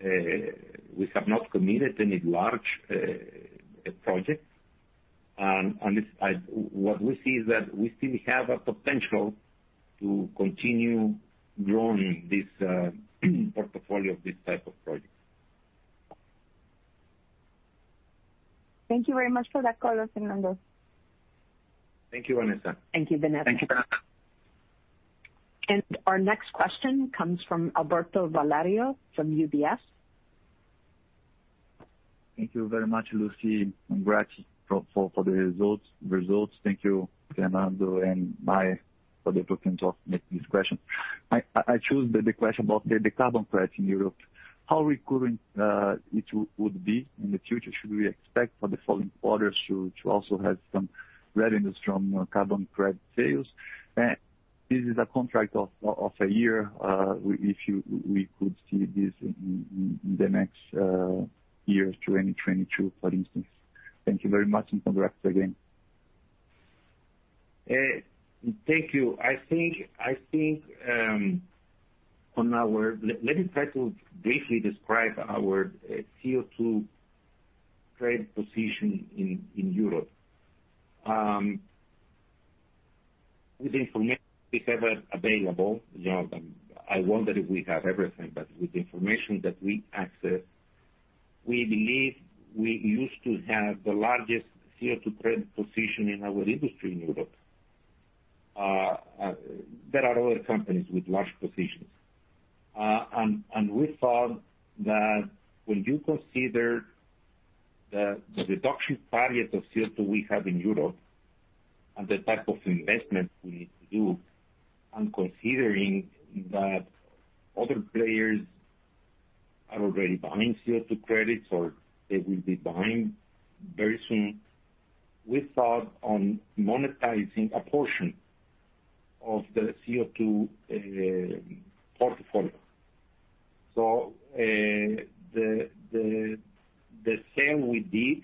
We have not committed any large projects. What we see is that we still have a potential to continue growing this portfolio of this type of projects. Thank you very much for that color, Fernando. Thank you, Vanessa. Thank you, Vanessa. Thank you Vanessa. Our next question comes from Alberto Valerio from UBS. Thank you very much, Lucy. Congrats for the results. Thank you, Fernando and Maher, for the opportunity of making this question. I choose the question about the carbon price in the Europe. How recurring it would be in the future? Should we expect for the following quarters to also have some revenues from carbon credit sales? This is a contract of one year. Could we see this in the next year, 2022, for instance? Thank you very much, and congrats again. Thank you. Let me try to briefly describe our CO2 credit position in Europe. With information we have available, I wonder if we have everything, but with the information that we access, we believe we used to have the largest CO2 credit position in our industry in Europe. There are other companies with large positions. We thought that when you consider the reduction target of CO2 we have in Europe and the type of investment we need to do, and considering that other players are already buying CO2 credits or they will be buying very soon, we thought on monetizing a portion of the CO2 portfolio. The sale we did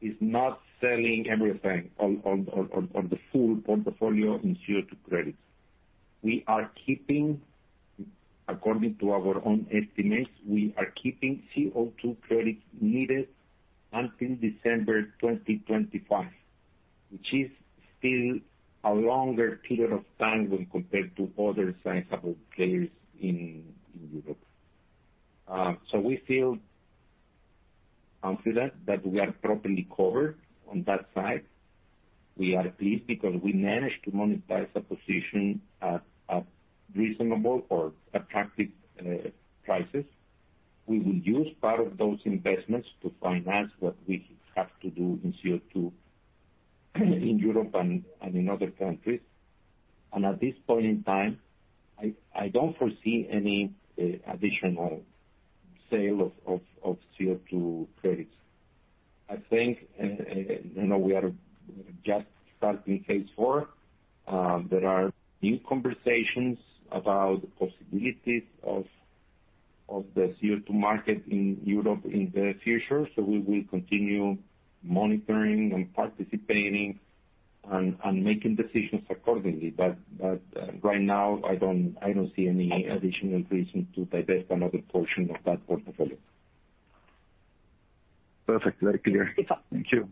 is not selling everything, the full portfolio in CO2 credits. According to our own estimates, we are keeping CO2 credits needed until December 2025, which is still a longer period of time when compared to other sizable players in Europe. We feel confident that we are properly covered on that side. We are pleased because we managed to monetize the position at reasonable or attractive prices. We will use part of those investments to finance what we have to do in CO2 in Europe and in other countries. At this point in time, I don't foresee any additional sale of CO2 credits. I think, we are just starting phase IV. There are new conversations about the possibilities of the CO2 market in Europe in the future. We will continue monitoring and participating and making decisions accordingly. Right now, I don't see any additional reason to divest another portion of that portfolio. Perfect. Very clear. Thank you.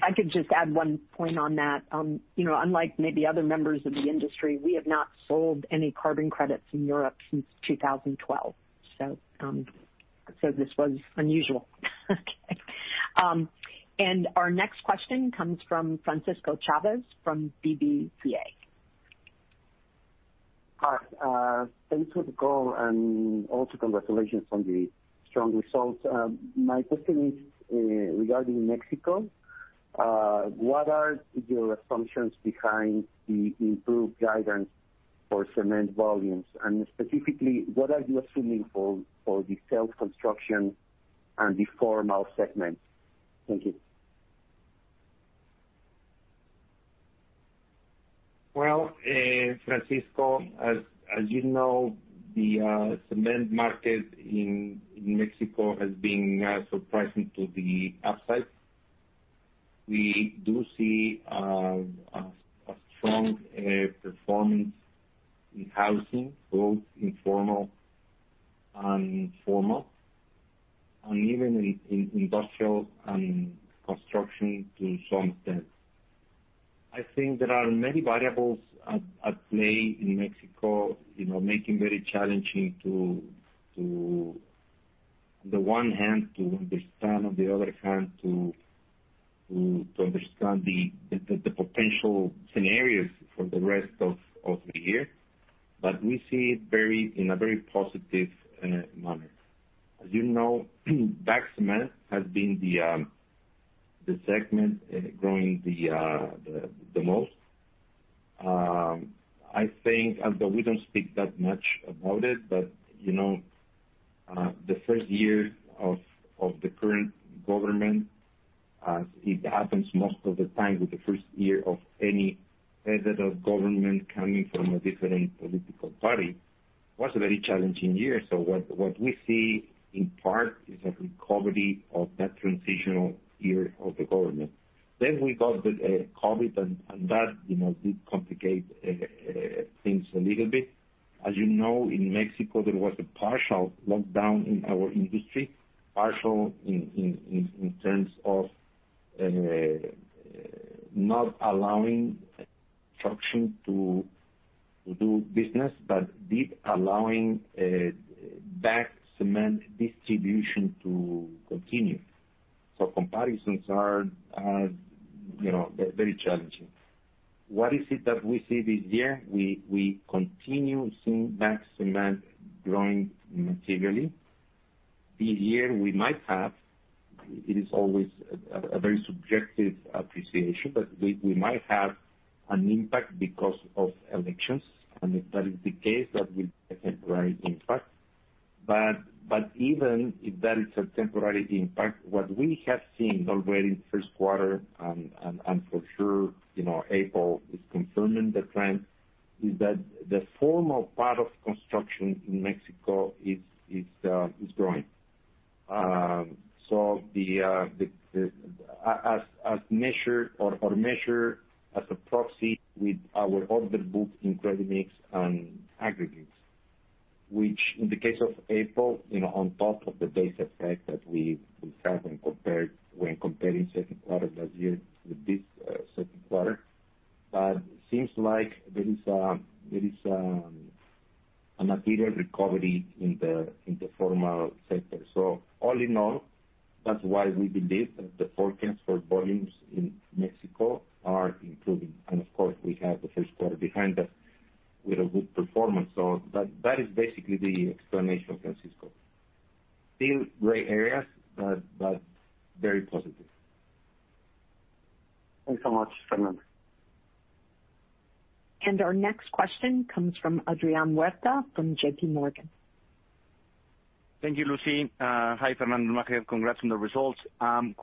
If I could just add one point on that. Unlike maybe other members of the industry, we have not sold any carbon credits in Europe since 2012. This was unusual. Okay. Our next question comes from Francisco Chavez from BBVA. Hi. Thanks for the call, and also congratulations on the strong results. My question is regarding Mexico. What are your assumptions behind the improved guidance for cement volumes? Specifically, what are you assuming for the self-construction and the formal segment? Thank you. Well, Francisco, as you know, the cement market in Mexico has been surprising to the upside. We do see a strong performance in housing, both informal and formal, and even in industrial and construction to some extent. I think there are many variables at play in Mexico, making very challenging to, on the one hand, to understand, on the other hand, to understand the potential scenarios for the rest of the year. We see it in a very positive manner. As you know, bag cement has been the segment growing the most. Although we don't speak that much about it, but the first year of the current government, as it happens most of the time with the first year of any head of government coming from a different political party, was a very challenging year. What we see in part is a recovery of that transitional year of the government. We got the COVID, and that did complicate things a little bit. As you know, in Mexico, there was a partial lockdown in our industry. Partial in terms of not allowing construction to do business, but did allowing bag cement distribution to continue. Comparisons are very challenging. What is it that we see this year? We continue seeing bag cement growing materially. This year we might have, it is always a very subjective appreciation, but we might have an impact because of elections. If that is the case, that will be a temporary impact. Even if that is a temporary impact, what we have seen already first quarter, and for sure April is confirming the trend, is that the formal part of construction in Mexico is growing. As measured as a proxy with our order book in ready-mix and aggregates. In the case of April, on top of the base effect that we have when comparing second quarter last year with this second quarter. It seems like there is a material recovery in the formal sector. All in all, that's why we believe that the forecast for volumes in Mexico are improving. Of course, we have the first quarter behind us with a good performance. That is basically the explanation, Francisco. Still gray areas, very positive. Thanks so much, Fernando. Our next question comes from Adrian Huerta from JPMorgan. Thank you, Lucy. Hi Fernando and Maher, congrats on the results. On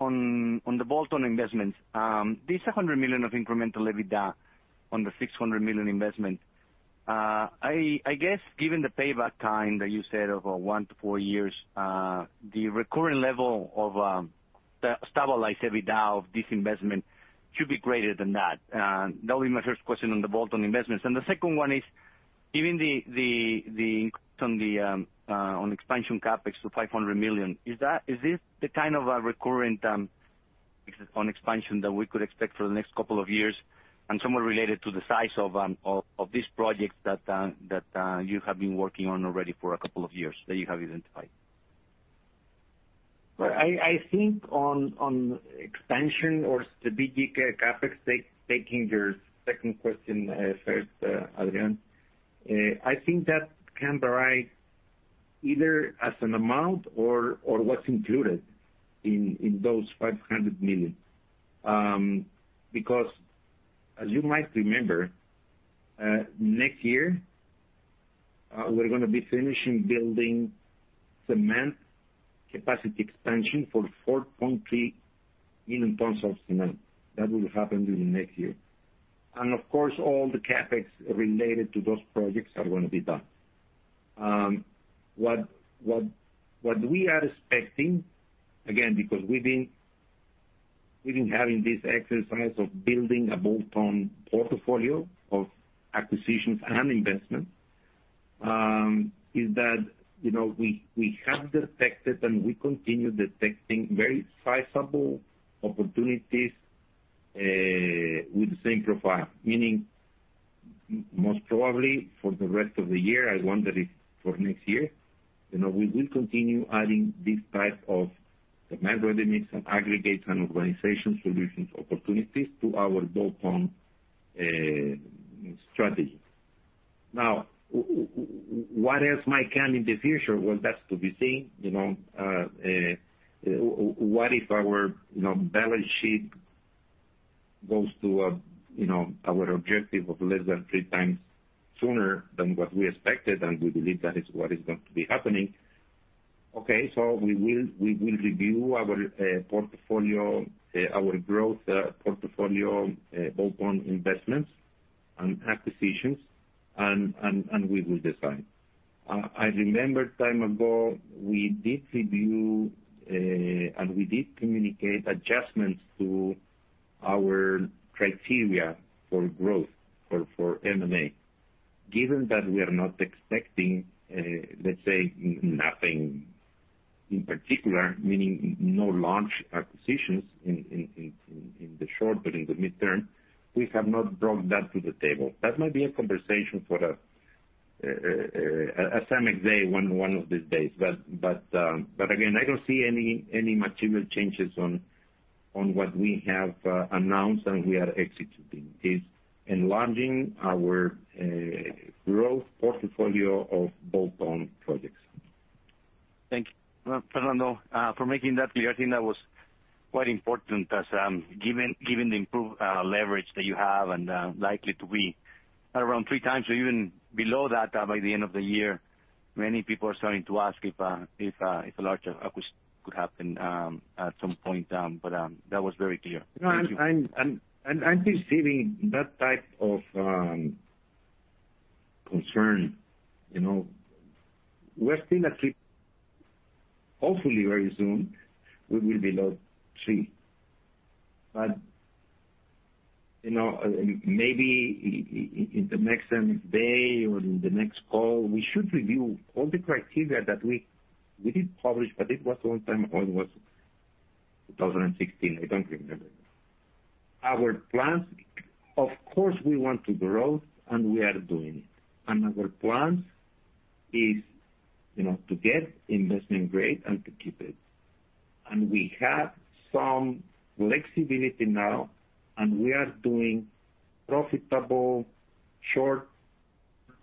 the bolt-on investments, this $100 million of incremental EBITDA on the $600 million investment. I guess given the payback time that you said of 1-4 years, the recurring level of stabilized EBITDA of this investment should be greater than that. That would be my first question on the bolt-on investments. The second one is, given the increase on expansion CapEx to $500 million, is this the kind of a recurring CapEx on expansion that we could expect for the next couple of years? Somewhat related to the size of these projects that you have been working on already for a couple of years, that you have identified. Well, I think on expansion or strategic CapEx, taking your second question first, Adrian. I think that can arise either as an amount or what's included in those $500 million. As you might remember, next year, we're going to be finishing building cement capacity expansion for 4.3 million tons of cement. That will happen during next year. Of course, all the CapEx related to those projects are going to be done. What we are expecting, again, because we've been having this exercise of building a bolt-on portfolio of acquisitions and investments, is that we have detected, and we continue detecting very sizable opportunities with the same profile. Meaning, most probably for the rest of the year, I wonder if for next year, we will continue adding this type of cement capacity and aggregate and Urbanization Solutions opportunities to our bolt-on strategy. What else might come in the future? Well, that's to be seen. What if our balance sheet goes to our objective of less than 3x sooner than what we expected? We believe that is what is going to be happening. Okay. We will review our growth portfolio, bolt-on investments and acquisitions, and we will decide. I remember time ago, we did review, and we did communicate adjustments to our criteria for growth for M&A. Given that we are not expecting, let's say, nothing in particular, meaning no large acquisitions in the short, but in the midterm, we have not brought that to the table. That might be a conversation for a CEMEX Day one of these days. Again, I don't see any material changes on what we have announced and we are executing is enlarging our growth portfolio of bolt-on projects. Thank you, Fernando, for making that clear. I think that was quite important as given the improved leverage that you have and likely to be at around 3x or even below that by the end of the year. Many people are starting to ask if a larger acquisition could happen at some point. That was very clear. Thank you. No, I'm anticipating that type of concern. We're still hopefully very soon, we will be below three. Maybe in the next CEMEX Day or in the next call, we should review all the criteria that we did publish, but it was a long time ago. It was 2016. I don't remember. Our plans, of course, we want to grow, and we are doing it. Our plans is to get investment grade and to keep it. We have some flexibility now, and we are doing profitable, short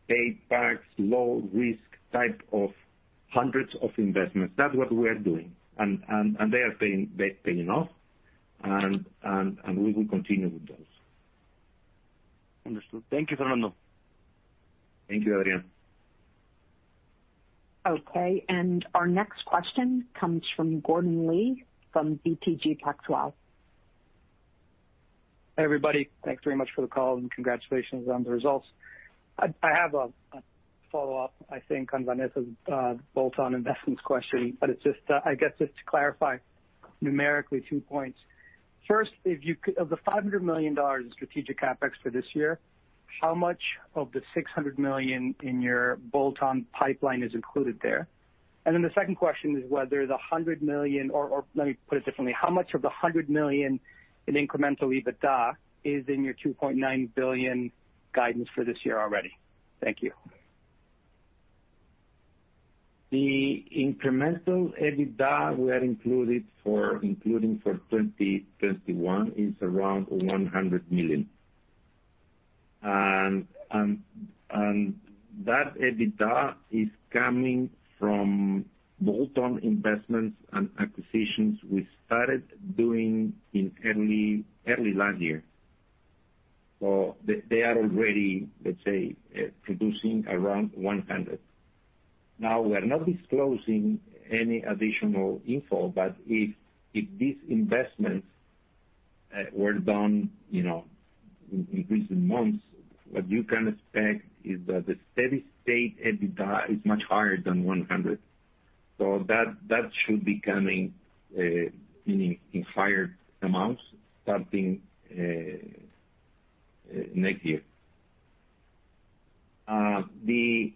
paybacks, low risk type of hundreds of investments. That's what we are doing. They are paying off. We will continue with those. Understood. Thank you, Fernando. Thank you, Adrian. Okay. Our next question comes from Gordon Lee from BTG Pactual. Hey, everybody. Thanks very much for the call and congratulations on the results. I have a follow-up, I think, on Vanessa's bolt-on investments question. It's just, I guess, just to clarify numerically two points. First, of the $500 million in strategic CapEx for this year, how much of the $600 million in your bolt-on pipeline is included there? The second question is whether the $100 million, or let me put it differently. How much of the $100 million in incremental EBITDA is in your $2.9 billion guidance for this year already? Thank you. The incremental EBITDA we are including for 2021 is around $100 million. That EBITDA is coming from bolt-on investments and acquisitions we started doing in early last year. They are already, let's say, producing around $100. Now, we are not disclosing any additional info, but if these investments were done in recent months, what you can expect is that the steady state EBITDA is much higher than $100. That should be coming in higher amounts starting next year. The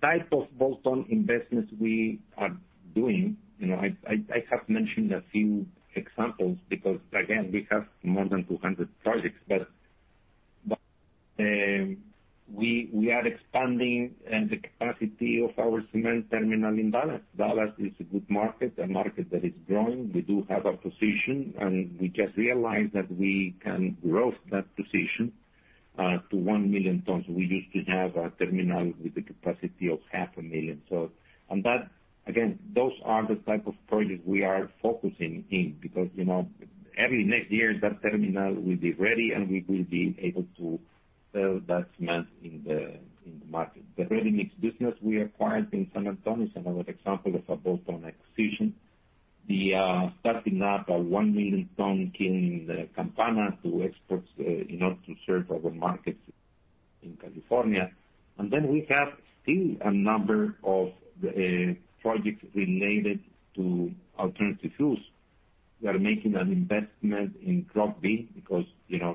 type of bolt-on investments we are doing, I have mentioned a few examples because, again, we have more than 200 projects, but we are expanding the capacity of our cement terminal in Dallas. Dallas is a good market, a market that is growing. We do have a position, and we just realized that we can grow that position to 1 million tons. We used to have a terminal with a capacity of half a million. Those are the type of projects we are focusing in because every next year, that terminal will be ready, and we will be able to sell that cement in the market. The ready-mix business we acquired in San Antonio is another example of a bolt-on acquisition. We are starting up a 1 million ton in Campana to export enough to serve our markets in California. We have still a number of projects related to alternative fuels. We are making an investment in Crop B because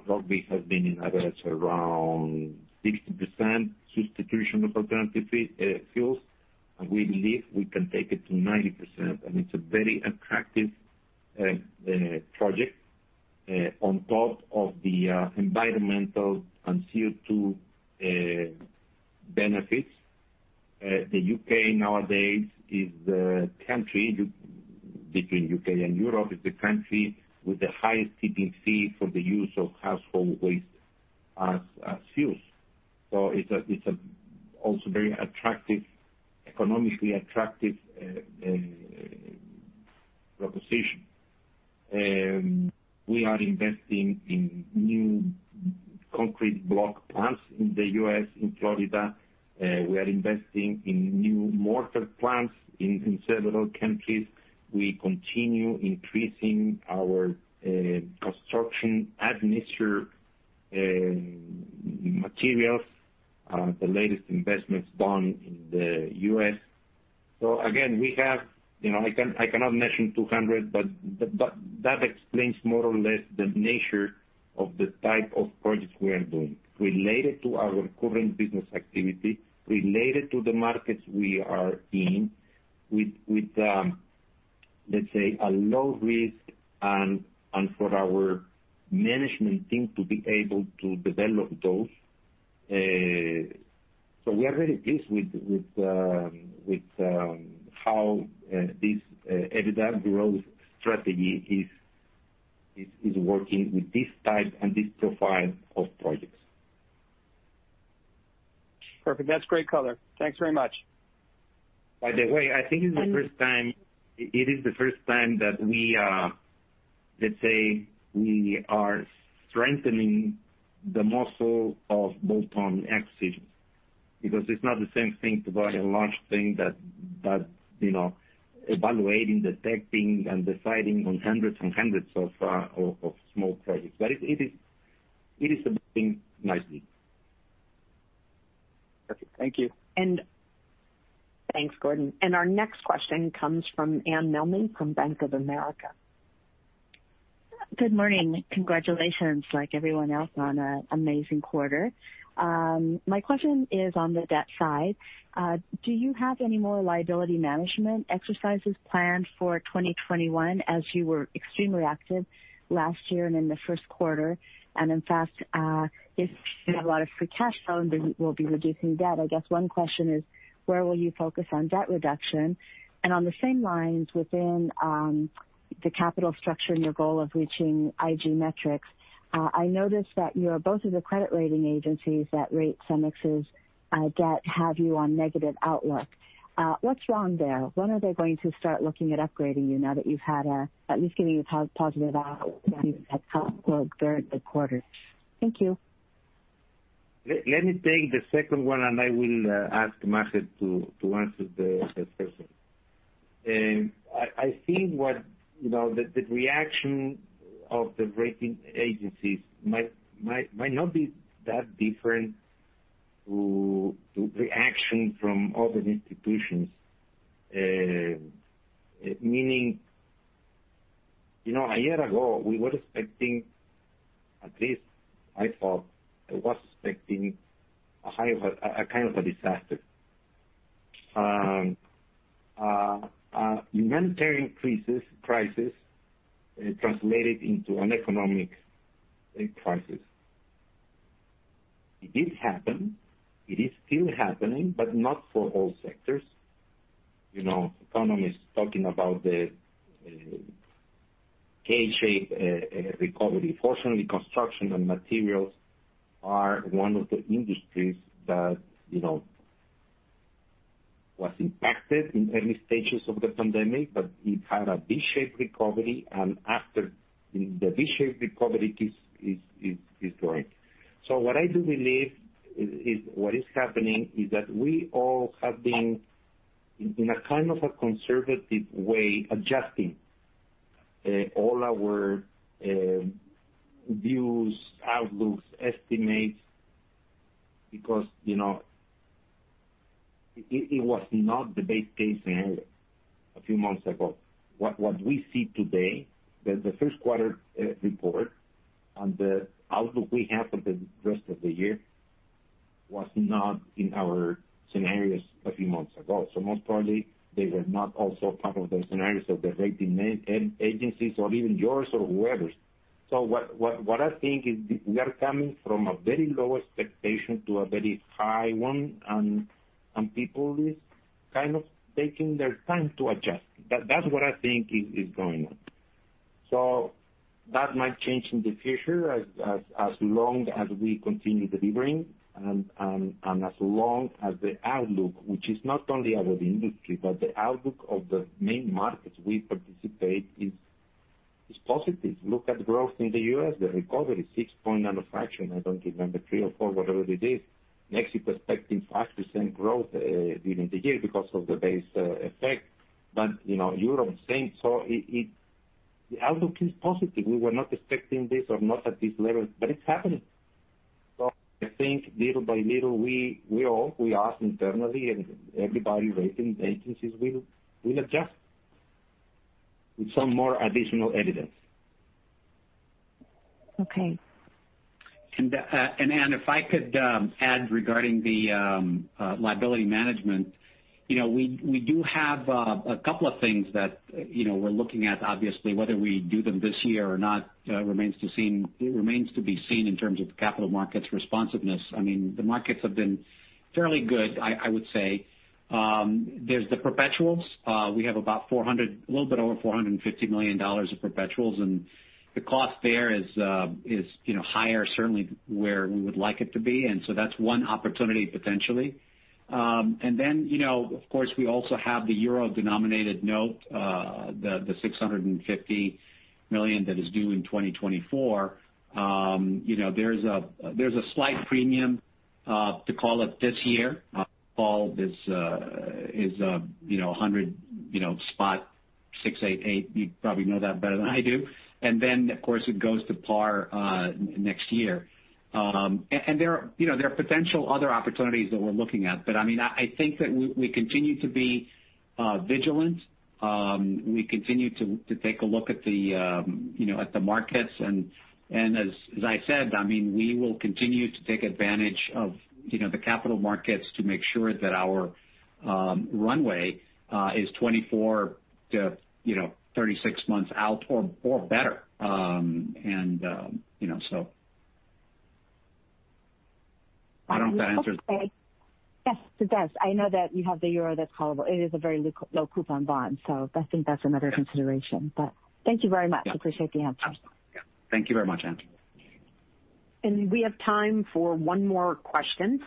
Crop V has been in average around 60% substitution of alternative fuels, and we believe we can take it to 90%. It's a very attractive project on top of the environmental and CO2 benefits. The U.K. nowadays is the country, between U.K. and Europe, is the country with the highest tipping fee for the use of household waste as fuels. It's also a very economically attractive proposition. We are investing in new concrete block plants in the U.S., in Florida. We are investing in new mortar plants in several countries. We continue increasing our construction admixture materials, the latest investments done in the U.S. Again, I cannot mention 200, but that explains more or less the nature of the type of projects we are doing related to our current business activity, related to the markets we are in with, let's say, a low risk and for our management team to be able to develop those. We are very pleased with how this EBITDA growth strategy is working with this type and this profile of projects. Perfect. That's great color. Thanks very much. By the way, I think it is the first time that we are, let's say, strengthening the muscle of bolt-on exits because it's not the same thing to buy a large thing that evaluating, detecting, and deciding on hundreds and hundreds of small projects. It is something nice. Perfect. Thank you. Thanks, Gordon. Our next question comes from Anne Milne from Bank of America. Good morning. Congratulations, like everyone else, on an amazing quarter. My question is on the debt side. Do you have any more liability management exercises planned for 2021, as you were extremely active last year and in the first quarter? In fact, if you have a lot of free cash flow and will be reducing debt, I guess one question is: Where will you focus on debt reduction? On the same lines within the capital structure and your goal of reaching IG metrics, I noticed that both of the credit rating agencies that rate CEMEX's debt have you on negative outlook. What's wrong there? When are they going to start looking at upgrading you now that you've had at least giving you positive outlook even at quarter? Thank you. Let me take the second one, and I will ask Maher to answer the first one. I think the reaction of the rating agencies might not be that different to reaction from other institutions. Meaning, a year ago, we were expecting, at least I thought I was expecting, a kind of a disaster. A humanitarian crisis translated into an economic crisis. It did happen. It is still happening, but not for all sectors. Economists talking about the K-shaped recovery. Fortunately, construction and materials are one of the industries that was impacted in early stages of the pandemic, but it had a V-shaped recovery, and after the V-shaped recovery, it is growing. What I do believe is what is happening is that we all have been, in a kind of a conservative way, adjusting all our views, outlooks, estimates, because it was not the base case a few months ago. What we see today, the first quarter report and the outlook we have for the rest of the year was not in our scenarios a few months ago. Most probably, they were not also part of the scenarios of the rating agencies or even yours or whoever's. What I think is we are coming from a very low expectation to a very high one, and people is kind of taking their time to adjust. That's what I think is going on. That might change in the future as long as we continue delivering and as long as the outlook, which is not only about the industry, but the outlook of the main markets we participate is positive. Look at growth in the U.S., the recovery, six point and a fraction. I don't remember, three or four, whatever it is. Mexico is expecting 5% growth during the year because of the base effect. Europe, same. The outlook is positive. We were not expecting this or not at this level, but it's happening. I think little by little, we all, we ask internally, and everybody, rating agencies will adjust with some more additional evidence. Okay. Anne, if I could add regarding the liability management. We do have a couple of things that we're looking at, obviously, whether we do them this year or not remains to be seen in terms of the capital markets responsiveness. The markets have been fairly good, I would say. There's the perpetuals. We have a little bit over $450 million of perpetuals, the cost there is higher, certainly where we would like it to be. That's one opportunity, potentially. Of course, we also have the euro-denominated note, the 650 million that is due in 2024. There's a slight premium to call it this year. Call is 100.688. You probably know that better than I do. Of course, it goes to par next year. There are potential other opportunities that we're looking at. I think that we continue to be vigilant. We continue to take a look at the markets, and as I said, we will continue to take advantage of the capital markets to make sure that our runway is 24 to 36 months out or better. I don't know if that answers. Okay. Yes, it does. I know that you have the euro that's callable. It is a very low coupon bond. I think that's another consideration. Thank you very much. Appreciate the answer. Absolutely. Yeah. Thank you very much, Anne. We have time for one more question.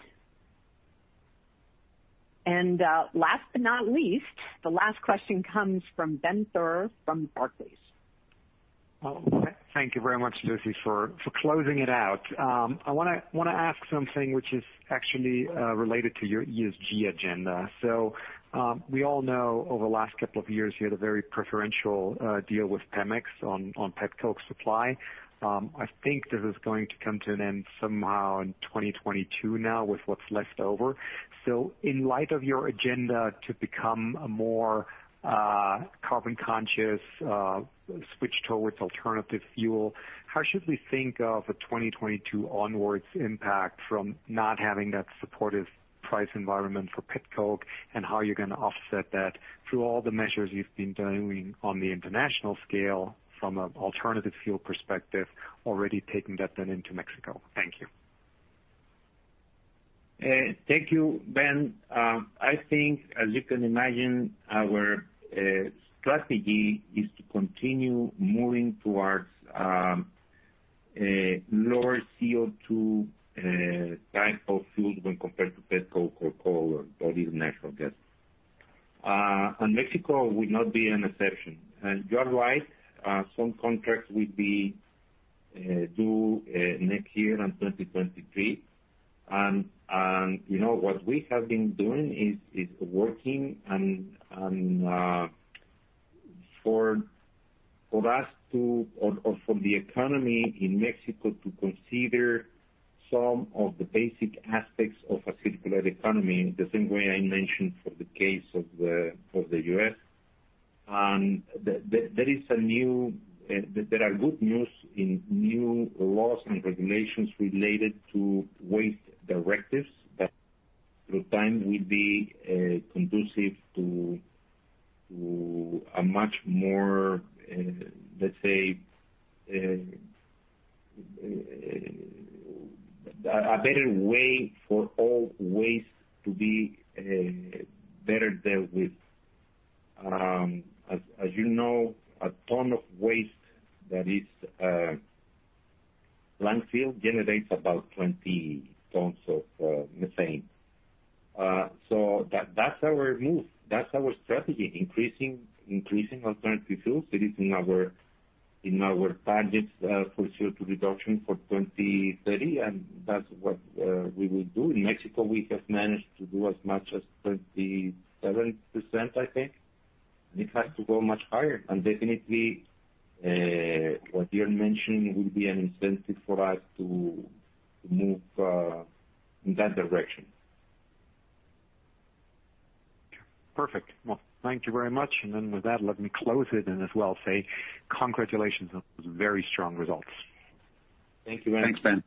Last but not least, the last question comes from Ben Theurer from Barclays. Thank you very much, Lucy, for closing it out. I want to ask something which is actually related to your ESG agenda. We all know over the last couple of years, you had a very preferential deal with Pemex on petcoke supply. I think this is going to come to an end somehow in 2022 now with what's left over. In light of your agenda to become a more carbon conscious, switch towards alternative fuel, how should we think of a 2022 onwards impact from not having that supportive price environment for petcoke, and how you're going to offset that through all the measures you've been doing on the international scale from an alternative fuel perspective, already taking that then into Mexico? Thank you. Thank you, Ben. I think as you can imagine, our strategy is to continue moving towards lower CO2 type of fuels when compared to petcoke or coal or even natural gas. Mexico would not be an exception. You are right, some contracts will be due next year in 2023. What we have been doing is working on for us to, or for the economy in Mexico to consider some of the basic aspects of a circular economy, the same way I mentioned for the case of the U.S. There are good news in new laws and regulations related to waste directives that through time will be conducive to a better way for all waste to be better dealt with. As you know, a ton of waste that is landfill generates about 20 tons of methane. That's our move, that's our strategy, increasing alternative fuels. It is in our targets for CO2 reduction for 2030, and that's what we will do. In Mexico, we have managed to do as much as 27%, I think. It has to go much higher. Definitely, what you're mentioning will be an incentive for us to move in that direction. Perfect. Well, thank you very much. With that, let me close it, and as well say congratulations on those very strong results. Thank you Ben. Thanks, Ben.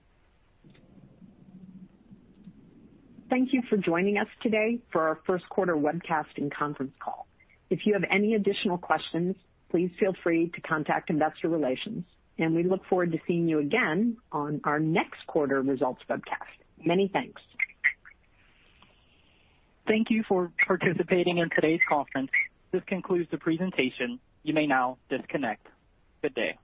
Thank you for joining us today for our first quarter webcast and conference call. If you have any additional questions, please feel free to contact investor relations, and we look forward to seeing you again on our next quarter results webcast. Many thanks. Thank you for participating in today's conference. This concludes the presentation. You may now disconnect. Good day.